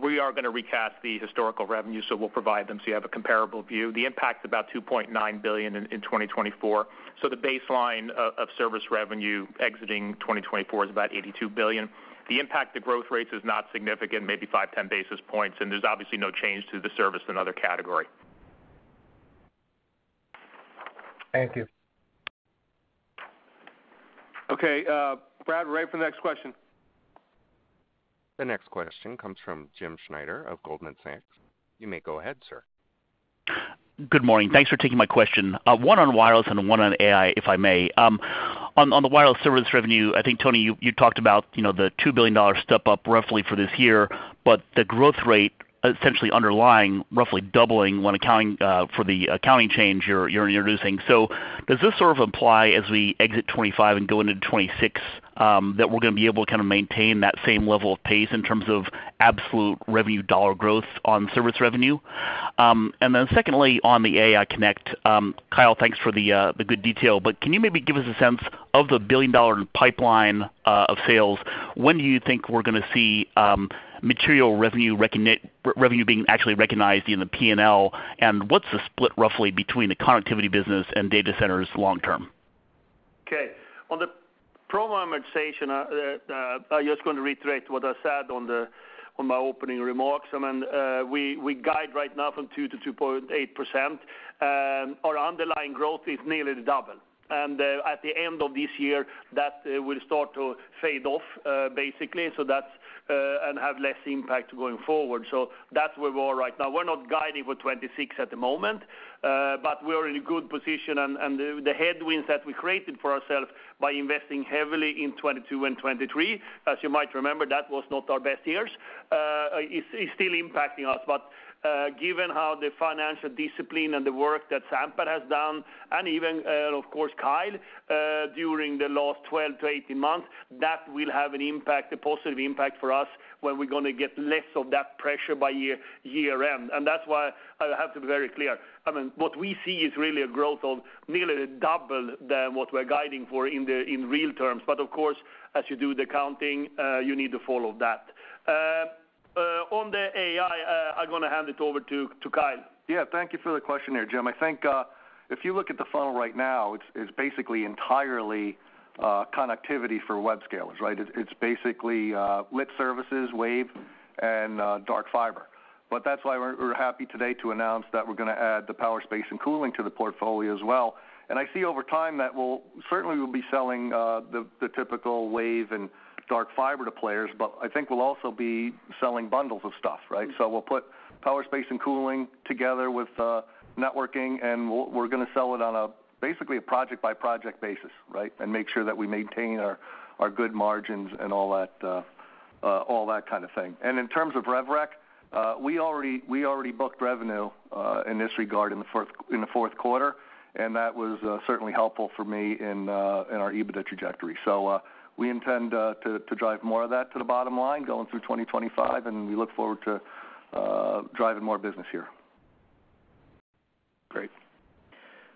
We are going to recast the historical revenue, so we'll provide them so you have a comparable view. The impact is about $2.9 billion in 2024. The baseline of service revenue exiting 2024 is about $82 billion. The impact to growth rates is not significant, maybe 5-10 basis points. There's obviously no change to the service and other category.
Thank you.
Okay. Brady, ready for the next question?
The next question comes from Jim Schneider of Goldman Sachs. You may go ahead, sir.
Good morning. Thanks for taking my question. One on wireless and one on AI, if I may. On the wireless service revenue, I think, Tony, you talked about the $2 billion step up roughly for this year, but the growth rate essentially underlying roughly doubling when accounting for the accounting change you're introducing. So does this sort of apply as we exit 2025 and go into 2026 that we're going to be able to kind of maintain that same level of pace in terms of absolute revenue dollar growth on service revenue? And then secondly, on the AI Connect, Kyle, thanks for the good detail, but can you maybe give us a sense of the billion-dollar pipeline of sales? When do you think we're going to see material revenue being actually recognized in the P&L, and what's the split roughly between the connectivity business and data centers long-term?
Okay. On the promo amortization, I'm just going to reiterate what I said on my opening remarks. I mean, we guide right now from 2%-2.8%. Our underlying growth is nearly double. And at the end of this year, that will start to fade off, basically, and have less impact going forward. So that's where we are right now. We're not guiding for 2026 at the moment, but we are in a good position. And the headwinds that we created for ourselves by investing heavily in 2022 and 2023, as you might remember, that was not our best years, is still impacting us. But given how the financial discipline and the work that Sampath has done, and even, of course, Kyle, during the last 12-18 months, that will have an impact, a positive impact for us when we're going to get less of that pressure by year-end. And that's why I have to be very clear. I mean, what we see is really a growth of nearly double than what we're guiding for in real terms. But of course, as you do the accounting, you need to follow that. On the AI, I'm going to hand it over to Kyle.
Yeah. Thank you for the question there, Jim. I think if you look at the funnel right now, it's basically entirely connectivity for hyperscalers, right? It's basically lit services, Wave, and dark fiber, but that's why we're happy today to announce that we're going to add the power space and cooling to the portfolio as well. And I see over time that we'll certainly be selling the typical Wave and dark fiber to players, but I think we'll also be selling bundles of stuff, right, so we'll put power space and cooling together with networking, and we're going to sell it on basically a project-by-project basis, right, and make sure that we maintain our good margins and all that kind of thing, and in terms of RevRec, we already booked revenue in this regard in the fourth quarter, and that was certainly helpful for me in our EBITDA trajectory. So we intend to drive more of that to the bottom line going through 2025, and we look forward to driving more business here.
Great.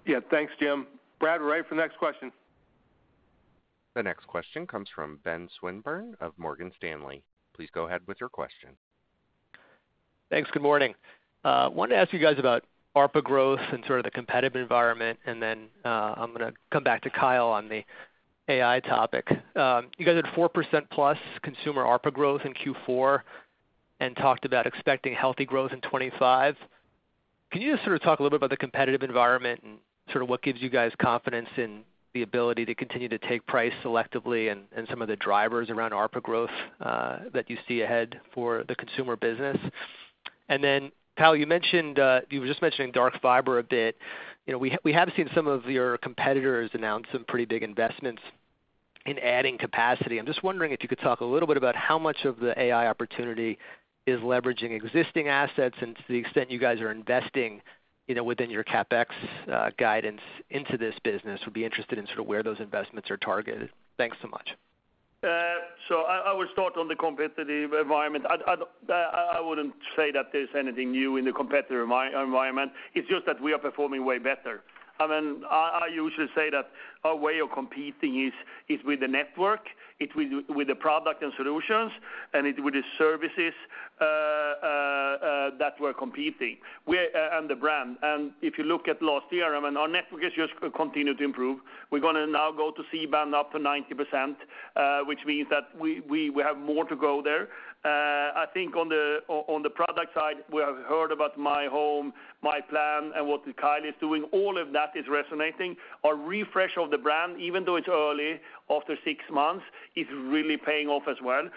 Yeah. Thanks, Jim. Brady, we're ready for the next question.
The next question comes from Ben Swinburne of Morgan Stanley. Please go ahead with your question.
Thanks. Good morning. I wanted to ask you guys about ARPA growth and sort of the competitive environment, and then I'm going to come back to Kyle on the AI topic. You guys had 4%+ consumer ARPA growth in Q4 and talked about expecting healthy growth in 2025. Can you just sort of talk a little bit about the competitive environment and sort of what gives you guys confidence in the ability to continue to take price selectively and some of the drivers around ARPA growth that you see ahead for the consumer business? And then, Kyle, you were just mentioning dark fiber a bit. We have seen some of your competitors announce some pretty big investments in adding capacity. I'm just wondering if you could talk a little bit about how much of the AI opportunity is leveraging existing assets and to the extent you guys are investing within your CapEx guidance into this business? We'd be interested in sort of where those investments are targeted. Thanks so much.
So I will start on the competitive environment. I wouldn't say that there's anything new in the competitive environment. It's just that we are performing way better. I mean, I usually say that our way of competing is with the network, with the product and solutions, and with the services that we're competing and the brand. And if you look at last year, I mean, our network has just continued to improve. We're going to now go to C-Band up to 90%, which means that we have more to go there. I think on the product side, we have heard about My Home, My Plan, and what Kyle is doing. All of that is resonating. Our refresh of the brand, even though it's early after six months, is really paying off as well.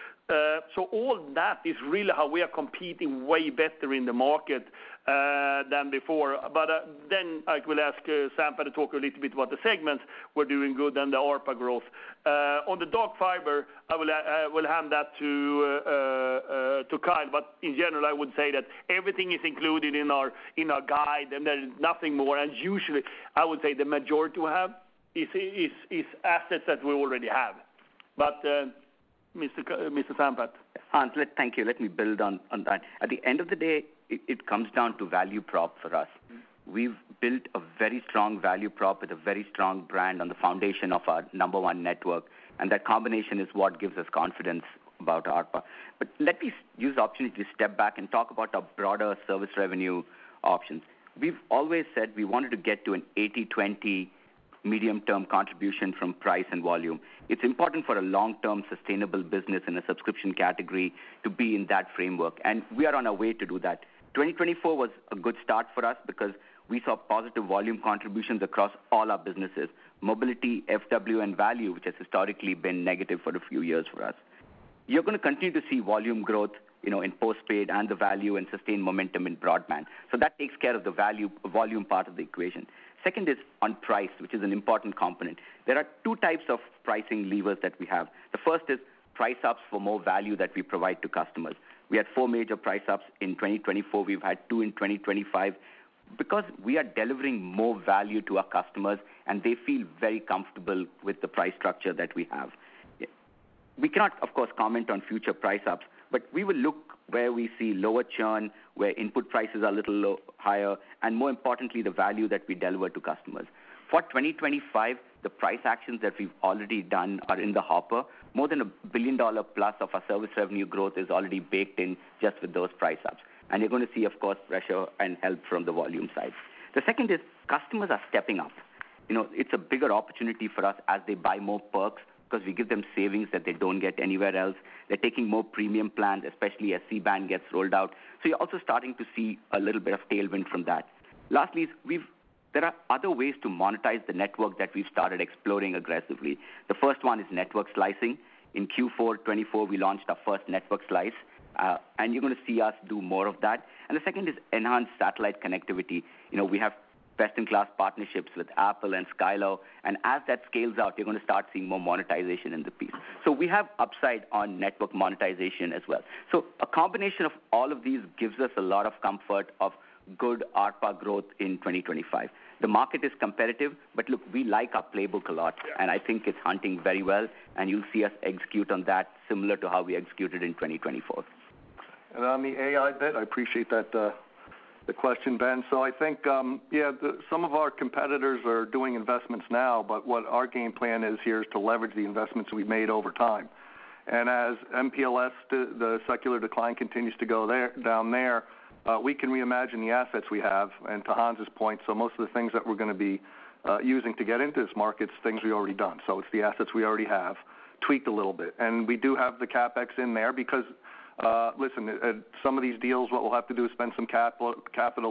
So all that is really how we are competing way better in the market than before. But then I will ask Sampath to talk a little bit about the segments. We're doing good on the ARPA growth. On the dark fiber, I will hand that to Kyle, but in general, I would say that everything is included in our guide, and there is nothing more, and usually, I would say the majority we have is assets that we already have, but Mr. Sampath.
Hans, thank you. Let me build on that. At the end of the day, it comes down to value prop for us. We've built a very strong value prop with a very strong brand on the foundation of our number one network, and that combination is what gives us confidence about ARPA. But let me use the opportunity to step back and talk about our broader service revenue options. We've always said we wanted to get to an 80/20 medium-term contribution from price and volume. It's important for a long-term sustainable business in a subscription category to be in that framework, and we are on our way to do that. 2024 was a good start for us because we saw positive volume contributions across all our businesses: mobility, FWA, and value, which has historically been negative for a few years for us. You're going to continue to see volume growth in post-paid and the value and sustained momentum in broadband, so that takes care of the volume part of the equation. Second is on price, which is an important component. There are two types of pricing levers that we have. The first is price ups for more value that we provide to customers. We had four major price ups in 2024. We've had two in 2025 because we are delivering more value to our customers, and they feel very comfortable with the price structure that we have. We cannot, of course, comment on future price ups, but we will look where we see lower churn, where input prices are a little higher, and more importantly, the value that we deliver to customers. For 2025, the price actions that we've already done are in the hopper. More than $1 billion+ of our service revenue growth is already baked in just with those price ups. You're going to see, of course, pressure and help from the volume side. The second is customers are stepping up. It's a bigger opportunity for us as they buy more perks because we give them savings that they don't get anywhere else. They're taking more premium plans, especially as C-Band gets rolled out. You're also starting to see a little bit of tailwind from that. Lastly, there are other ways to monetize the network that we've started exploring aggressively. The first one is network slicing. In Q4 2024, we launched our first network slice, and you're going to see us do more of that. The second is enhanced satellite connectivity. We have best-in-class partnerships with Apple and Skylo. And as that scales out, you're going to start seeing more monetization in the piece. So we have upside on network monetization as well. So a combination of all of these gives us a lot of comfort of good ARPA growth in 2025. The market is competitive, but look, we like our playbook a lot, and I think it's hunting very well, and you'll see us execute on that similar to how we executed in 2024.
And on the AI bit, I appreciate the question, Ben. So I think, yeah, some of our competitors are doing investments now, but what our game plan is here is to leverage the investments we've made over time. And as MPLS, the secular decline continues to go down there, we can reimagine the assets we have. And to Hans' point, so most of the things that we're going to be using to get into this market, things we've already done. So it's the assets we already have, tweaked a little bit. And we do have the CapEx in there because, listen, some of these deals, what we'll have to do is spend some capital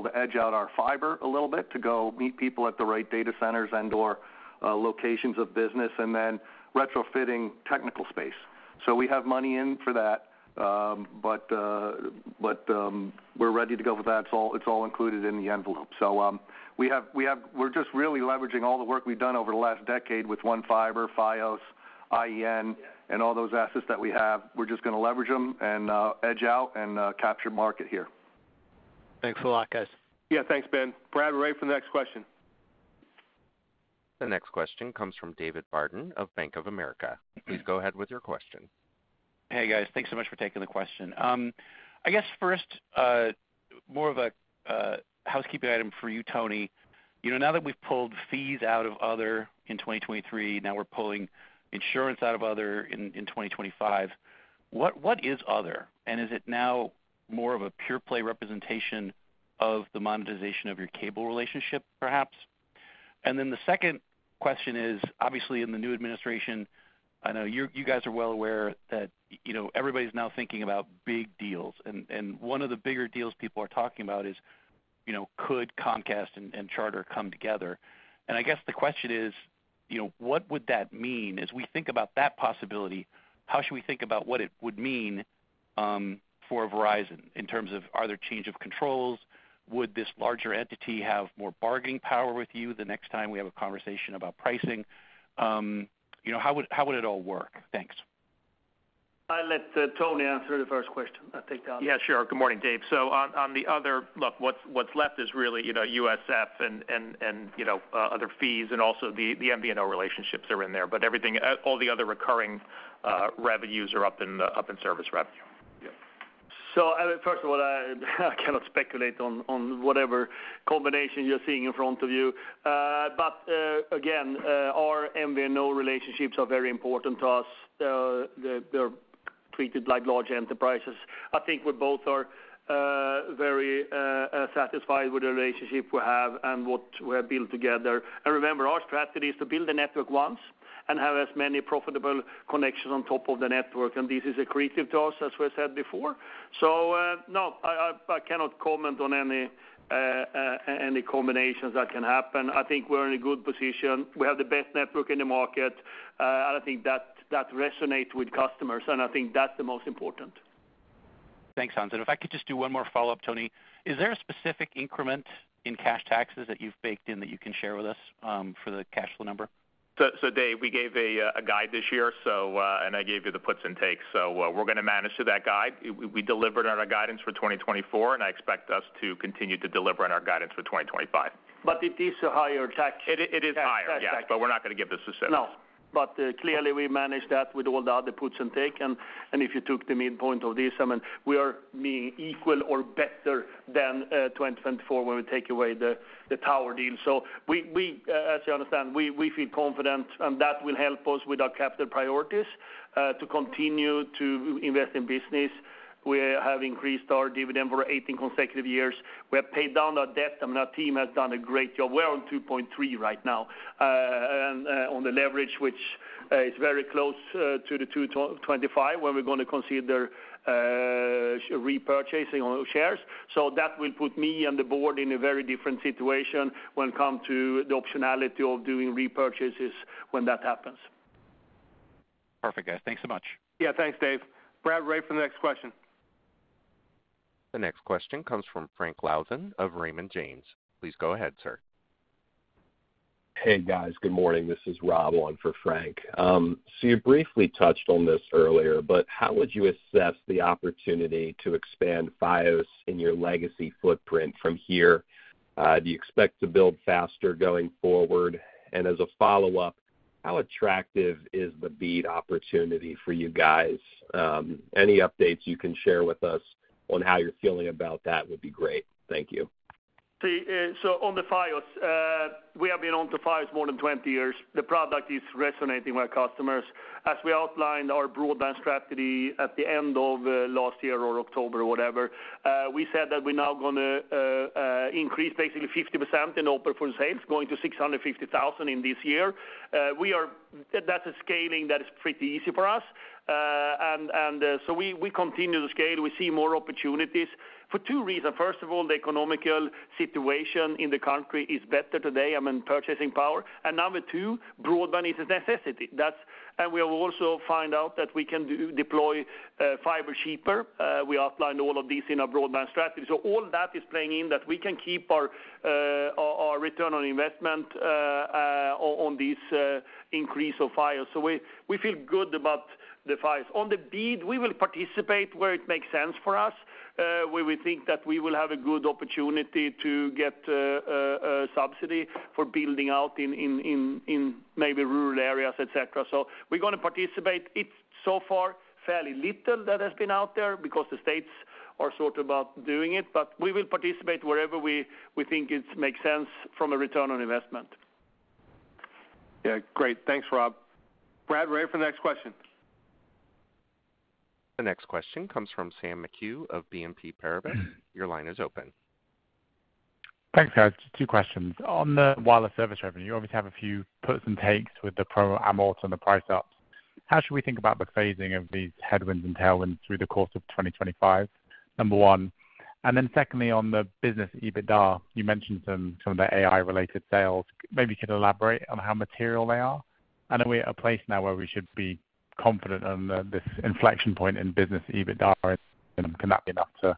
to edge out our fiber a little bit to go meet people at the right data centers and/or locations of business and then retrofitting technical space. So we have money in for that, but we're ready to go with that. It's all included in the envelope. So we're just really leveraging all the work we've done over the last decade with One Fiber, Fios, IEN, and all those assets that we have. We're just going to leverage them and edge out and capture market here.
Thanks a lot, guys.
Yeah, thanks, Ben. Brady, we're ready for the next question.
The next question comes from David Barden of Bank of America. Please go ahead with your question.
Hey, guys. Thanks so much for taking the question. I guess first, more of a housekeeping item for you, Tony. Now that we've pulled fees out of other in 2023, now we're pulling insurance out of other in 2025. What is other? And is it now more of a pure play representation of the monetization of your cable relationship, perhaps? And then the second question is, obviously, in the new administration, I know you guys are well aware that everybody's now thinking about big deals. And one of the bigger deals people are talking about is, could Comcast and Charter come together? And I guess the question is, what would that mean? As we think about that possibility, how should we think about what it would mean for Verizon in terms of, are there changes of controls? Would this larger entity have more bargaining power with you the next time we have a conversation about pricing? How would it all work? Thanks.
Let Tony answer the first question. I'll take that.
Yeah, sure. Good morning, Dave. So on the other, look, what's left is really USF and other fees and also the MVNO relationships that are in there. But all the other recurring revenues are up in service revenue.
So first of all, I cannot speculate on whatever combination you're seeing in front of you. But again, our MVNO relationships are very important to us. They're treated like large enterprises. I think we both are very satisfied with the relationship we have and what we have built together. And remember, our strategy is to build a network once and have as many profitable connections on top of the network. And this is a creative task, as we said before. So no, I cannot comment on any combinations that can happen. I think we're in a good position. We have the best network in the market. And I think that resonates with customers, and I think that's the most important.
Thanks, Hans. And if I could just do one more follow-up, Tony, is there a specific increment in cash taxes that you've baked in that you can share with us for the cash flow number?
So Dave, we gave a guidance this year, and I gave you the puts and takes. So we're going to manage to that guidance. We delivered on our guidance for 2024, and I expect us to continue to deliver on our guidance for 2025.
But it is a higher tax.
It is higher, yes, but we're not going to give this to sell.
No, but clearly, we managed that with all the other puts and takes. And if you took the midpoint of this, I mean, we are being equal or better than 2024 when we take away the tower deal. So as you understand, we feel confident, and that will help us with our capital priorities to continue to invest in business. We have increased our dividend for 18 consecutive years. We have paid down our debt. I mean, our team has done a great job. We're on 2.3 right now on the leverage, which is very close to the 2.25 when we're going to consider repurchasing shares. So that will put me and the board in a very different situation when it comes to the optionality of doing repurchases when that happens.
Perfect, guys. Thanks so much.
Yeah, thanks, Dave. Brad, ready for the next question?
The next question comes from Frank Louthan of Raymond James. Please go ahead, sir.
Hey, guys. Good morning. This is Rob on for Frank. So you briefly touched on this earlier, but how would you assess the opportunity to expand Fios in your legacy footprint from here? Do you expect to build faster going forward? And as a follow-up, how attractive is the BEAD opportunity for you guys? Any updates you can share with us on how you're feeling about that would be great. Thank you.
So on the Fios, we have been on the Fios more than 20 years. The product is resonating with our customers. As we outlined our broadband strategy at the end of last year or October or whatever, we said that we're now going to increase basically 50% in open for sales, going to 650,000 in this year. That's a scaling that is pretty easy for us. And so we continue to scale. We see more opportunities for two reasons. First of all, the economic situation in the country is better today. I mean, purchasing power. And number two, broadband is a necessity. And we have also found out that we can deploy fiber cheaper. We outlined all of this in our broadband strategy. So all that is playing in that we can keep our return on investment on this increase of Fios. So we feel good about the Fios. On the BEAD, we will participate where it makes sense for us. We think that we will have a good opportunity to get a subsidy for building out in maybe rural areas, etc. So we're going to participate. It's so far fairly little that has been out there because the states are sort of about doing it. But we will participate wherever we think it makes sense from a return on investment.
Yeah. Great. Thanks, Rob. Brady, ready for the next question?
The next question comes from Sam McHugh of BNP Paribas. Your line is open.
Thanks, guys. Two questions. On the wireless service revenue, you always have a few puts and takes with the pro amort and the price ups. How should we think about the phasing of these headwinds and tailwinds through the course of 2025? Number one. And then secondly, on the business EBITDA, you mentioned some of the AI-related sales. Maybe you could elaborate on how material they are. And are we at a place now where we should be confident on this inflection point in business EBITDA? And can that be enough to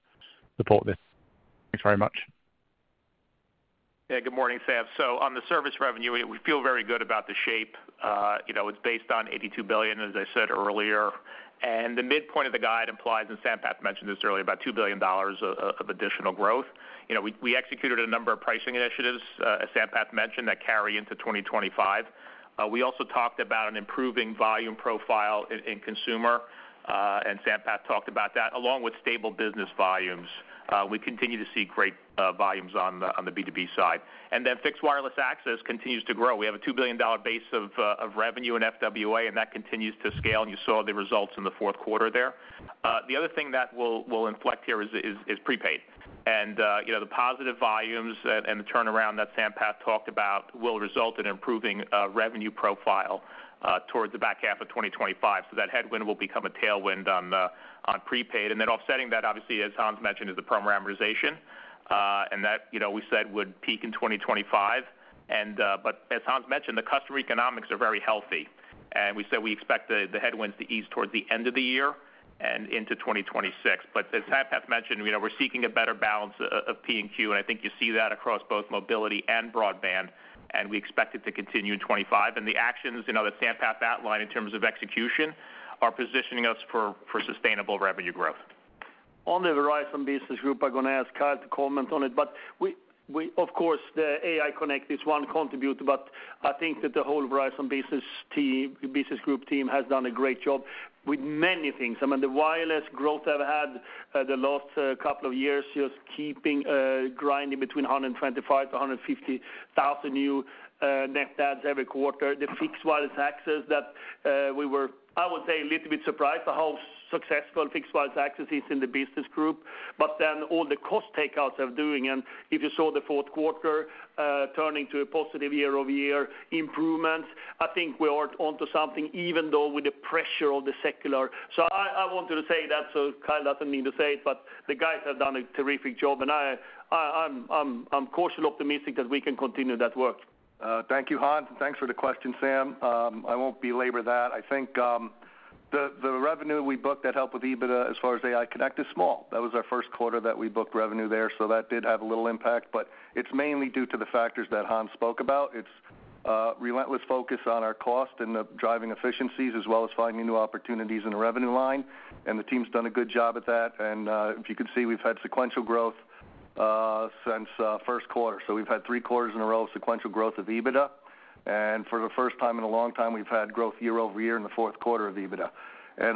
support this? Thanks very much.
Yeah. Good morning, Sam. So on the service revenue, we feel very good about the shape. It's based on $82 billion, as I said earlier. And the midpoint of the guide implies, and Sam Path mentioned this earlier, about $2 billion of additional growth. We executed a number of pricing initiatives, as Sam Path mentioned, that carry into 2025. We also talked about an improving volume profile in consumer, and Sam Path talked about that, along with stable business volumes. We continue to see great volumes on the B2B side. And then fixed wireless access continues to grow. We have a $2 billion base of revenue in FWA, and that continues to scale. And you saw the results in the fourth quarter there. The other thing that we'll inflect here is prepaid. And the positive volumes and the turnaround that Sam Path talked about will result in improving revenue profile towards the back half of 2025. So that headwind will become a tailwind on prepaid. And then offsetting that, obviously, as Hans mentioned, is the promo armortization. And that, we said, would peak in 2025. But as Hans mentioned, the customer economics are very healthy. And we said we expect the headwinds to ease towards the end of the year and into 2026. But as Sam Path mentioned, we're seeking a better balance of P and Q. And I think you see that across both mobility and broadband. And we expect it to continue in 2025. And the actions that Sam Path outlined in terms of execution are positioning us for sustainable revenue growth.
On the Verizon Business Group, I'm going to ask Kyle to comment on it. But of course, the AI Connect is one contributor, but I think that the whole Verizon Business Group team has done a great job with many things. I mean, the wireless growth I've had the last couple of years is keeping grinding between 125,000-150,000 new net adds every quarter. The fixed wireless access that we were, I would say, a little bit surprised how successful fixed wireless access is in the business group. But then all the cost takeouts they're doing, and if you saw the fourth quarter turning to a positive year-over-year improvements, I think we are onto something, even though with the pressure of the secular. So I wanted to say that, so Kyle doesn't need to say it, but the guys have done a terrific job. I'm cautiously optimistic that we can continue that work.
Thank you, Hans, and thanks for the question, Sam. I won't belabor that. I think the revenue we booked that helped with EBITDA as far as AI Connect is small. That was our first quarter that we booked revenue there, so that did have a little impact, but it's mainly due to the factors that Hans spoke about. It's relentless focus on our cost and the driving efficiencies, as well as finding new opportunities in the revenue line, and the team's done a good job at that. If you can see, we've had sequential growth since first quarter, so we've had three quarters in a row of sequential growth of EBITDA. For the first time in a long time, we've had growth year over year in the fourth quarter of EBITDA.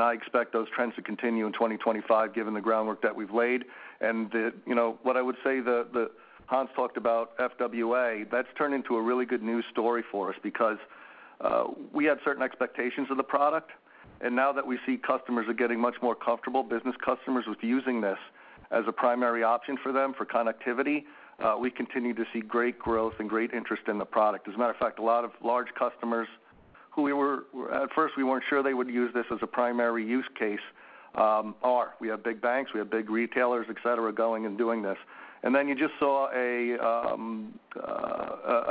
I expect those trends to continue in 2025, given the groundwork that we've laid. What I would say, Hans talked about FWA. That's turned into a really good news story for us because we had certain expectations of the product. Now that we see customers are getting much more comfortable, business customers with using this as a primary option for them for connectivity, we continue to see great growth and great interest in the product. As a matter of fact, a lot of large customers who at first we weren't sure they would use this as a primary use case are. We have big banks, we have big retailers, etc., going and doing this. Then you just saw an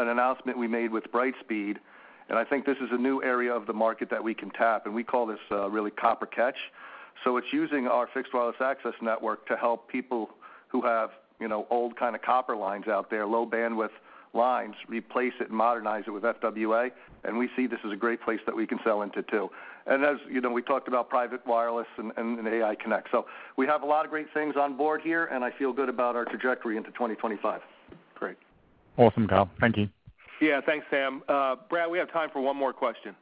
announcement we made with Brightspeed. I think this is a new area of the market that we can tap. We call this really copper catch. So it's using our fixed wireless access network to help people who have old kind of copper lines out there, low bandwidth lines, replace it and modernize it with FWA. And we see this as a great place that we can sell into too. And as we talked about private wireless and AI Connect. So we have a lot of great things on board here, and I feel good about our trajectory into 2025. Great.
Awesome, Kyle. Thank you.
Yeah, thanks, Sam. Brad, we have time for one more question.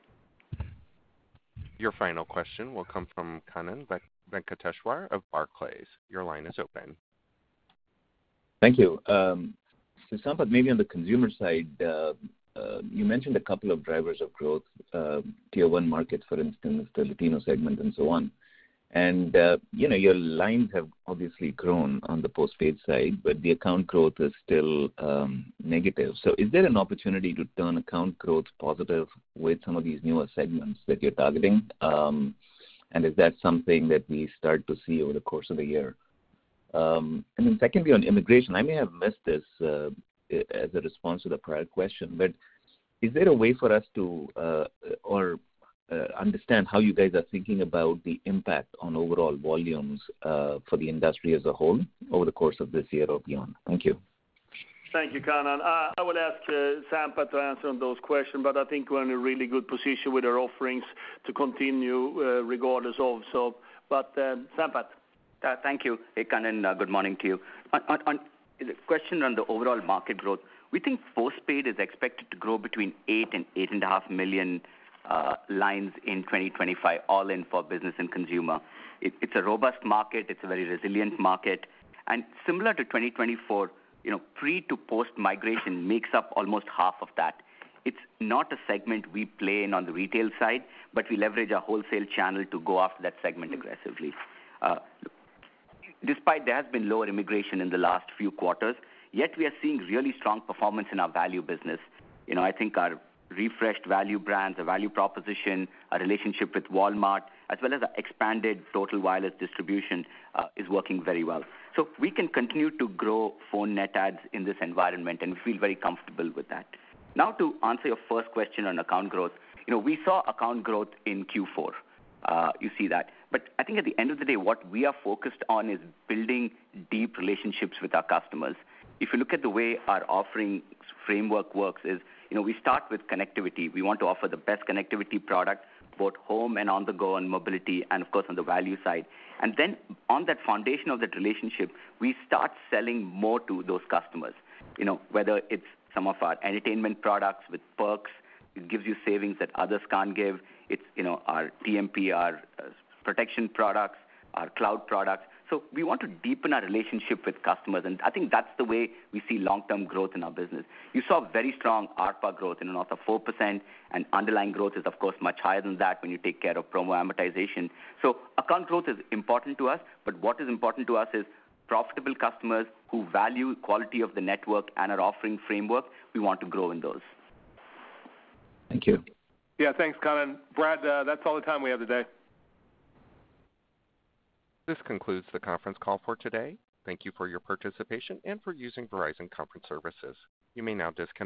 Your final question will come from Kannan Venkateshwar of Barclays. Your line is open.
Thank you. To sum up, maybe on the consumer side, you mentioned a couple of drivers of growth, tier one markets, for instance, the Latino segment, and so on. And your lines have obviously grown on the postpaid side, but the account growth is still negative. So is there an opportunity to turn account growth positive with some of these newer segments that you're targeting? And is that something that we start to see over the course of the year? And then secondly, on inflation, I may have missed this as a response to the prior question, but is there a way for us to understand how you guys are thinking about the impact on overall volumes for the industry as a whole over the course of this year or beyond? Thank you.
Thank you, Kanan. I would ask Sam Path to answer those questions, but I think we're in a really good position with our offerings to continue regardless of. But Sampath.
Thank you, Kanan. Good morning to you. The question on the overall market growth, we think postpaid is expected to grow between eight and 8.5 million lines in 2025, all in for business and consumer. It's a robust market. It's a very resilient market. And similar to 2024, pre to post-migration makes up almost half of that. It's not a segment we play in on the retail side, but we leverage our wholesale channel to go after that segment aggressively. Despite there has been lower immigration in the last few quarters, yet we are seeing really strong performance in our value business. I think our refreshed value brands, a value proposition, a relationship with Walmart, as well as our expanded Total Wireless distribution is working very well. So we can continue to grow phone net adds in this environment, and we feel very comfortable with that. Now, to answer your first question on account growth, we saw account growth in Q4. You see that. But I think at the end of the day, what we are focused on is building deep relationships with our customers. If you look at the way our offering framework works, we start with connectivity. We want to offer the best connectivity product, both home and on-the-go, and mobility, and of course, on the value side. And then on that foundation of that relationship, we start selling more to those customers, whether it's some of our entertainment products with perks, it gives you savings that others can't give. It's our TMPR protection products, our cloud products. So we want to deepen our relationship with customers. And I think that's the way we see long-term growth in our business. You saw very strong ARPA growth in the north of 4%, and underlying growth is, of course, much higher than that when you take care of promo amortization. So account growth is important to us, but what is important to us is profitable customers who value quality of the network and our offering framework. We want to grow in those.
Thank you.
Yeah, thanks, Kanan. Brady, that's all the time we have today.
This concludes the conference call for today. Thank you for your participation and for using Verizon Conference Services. You may now disconnect.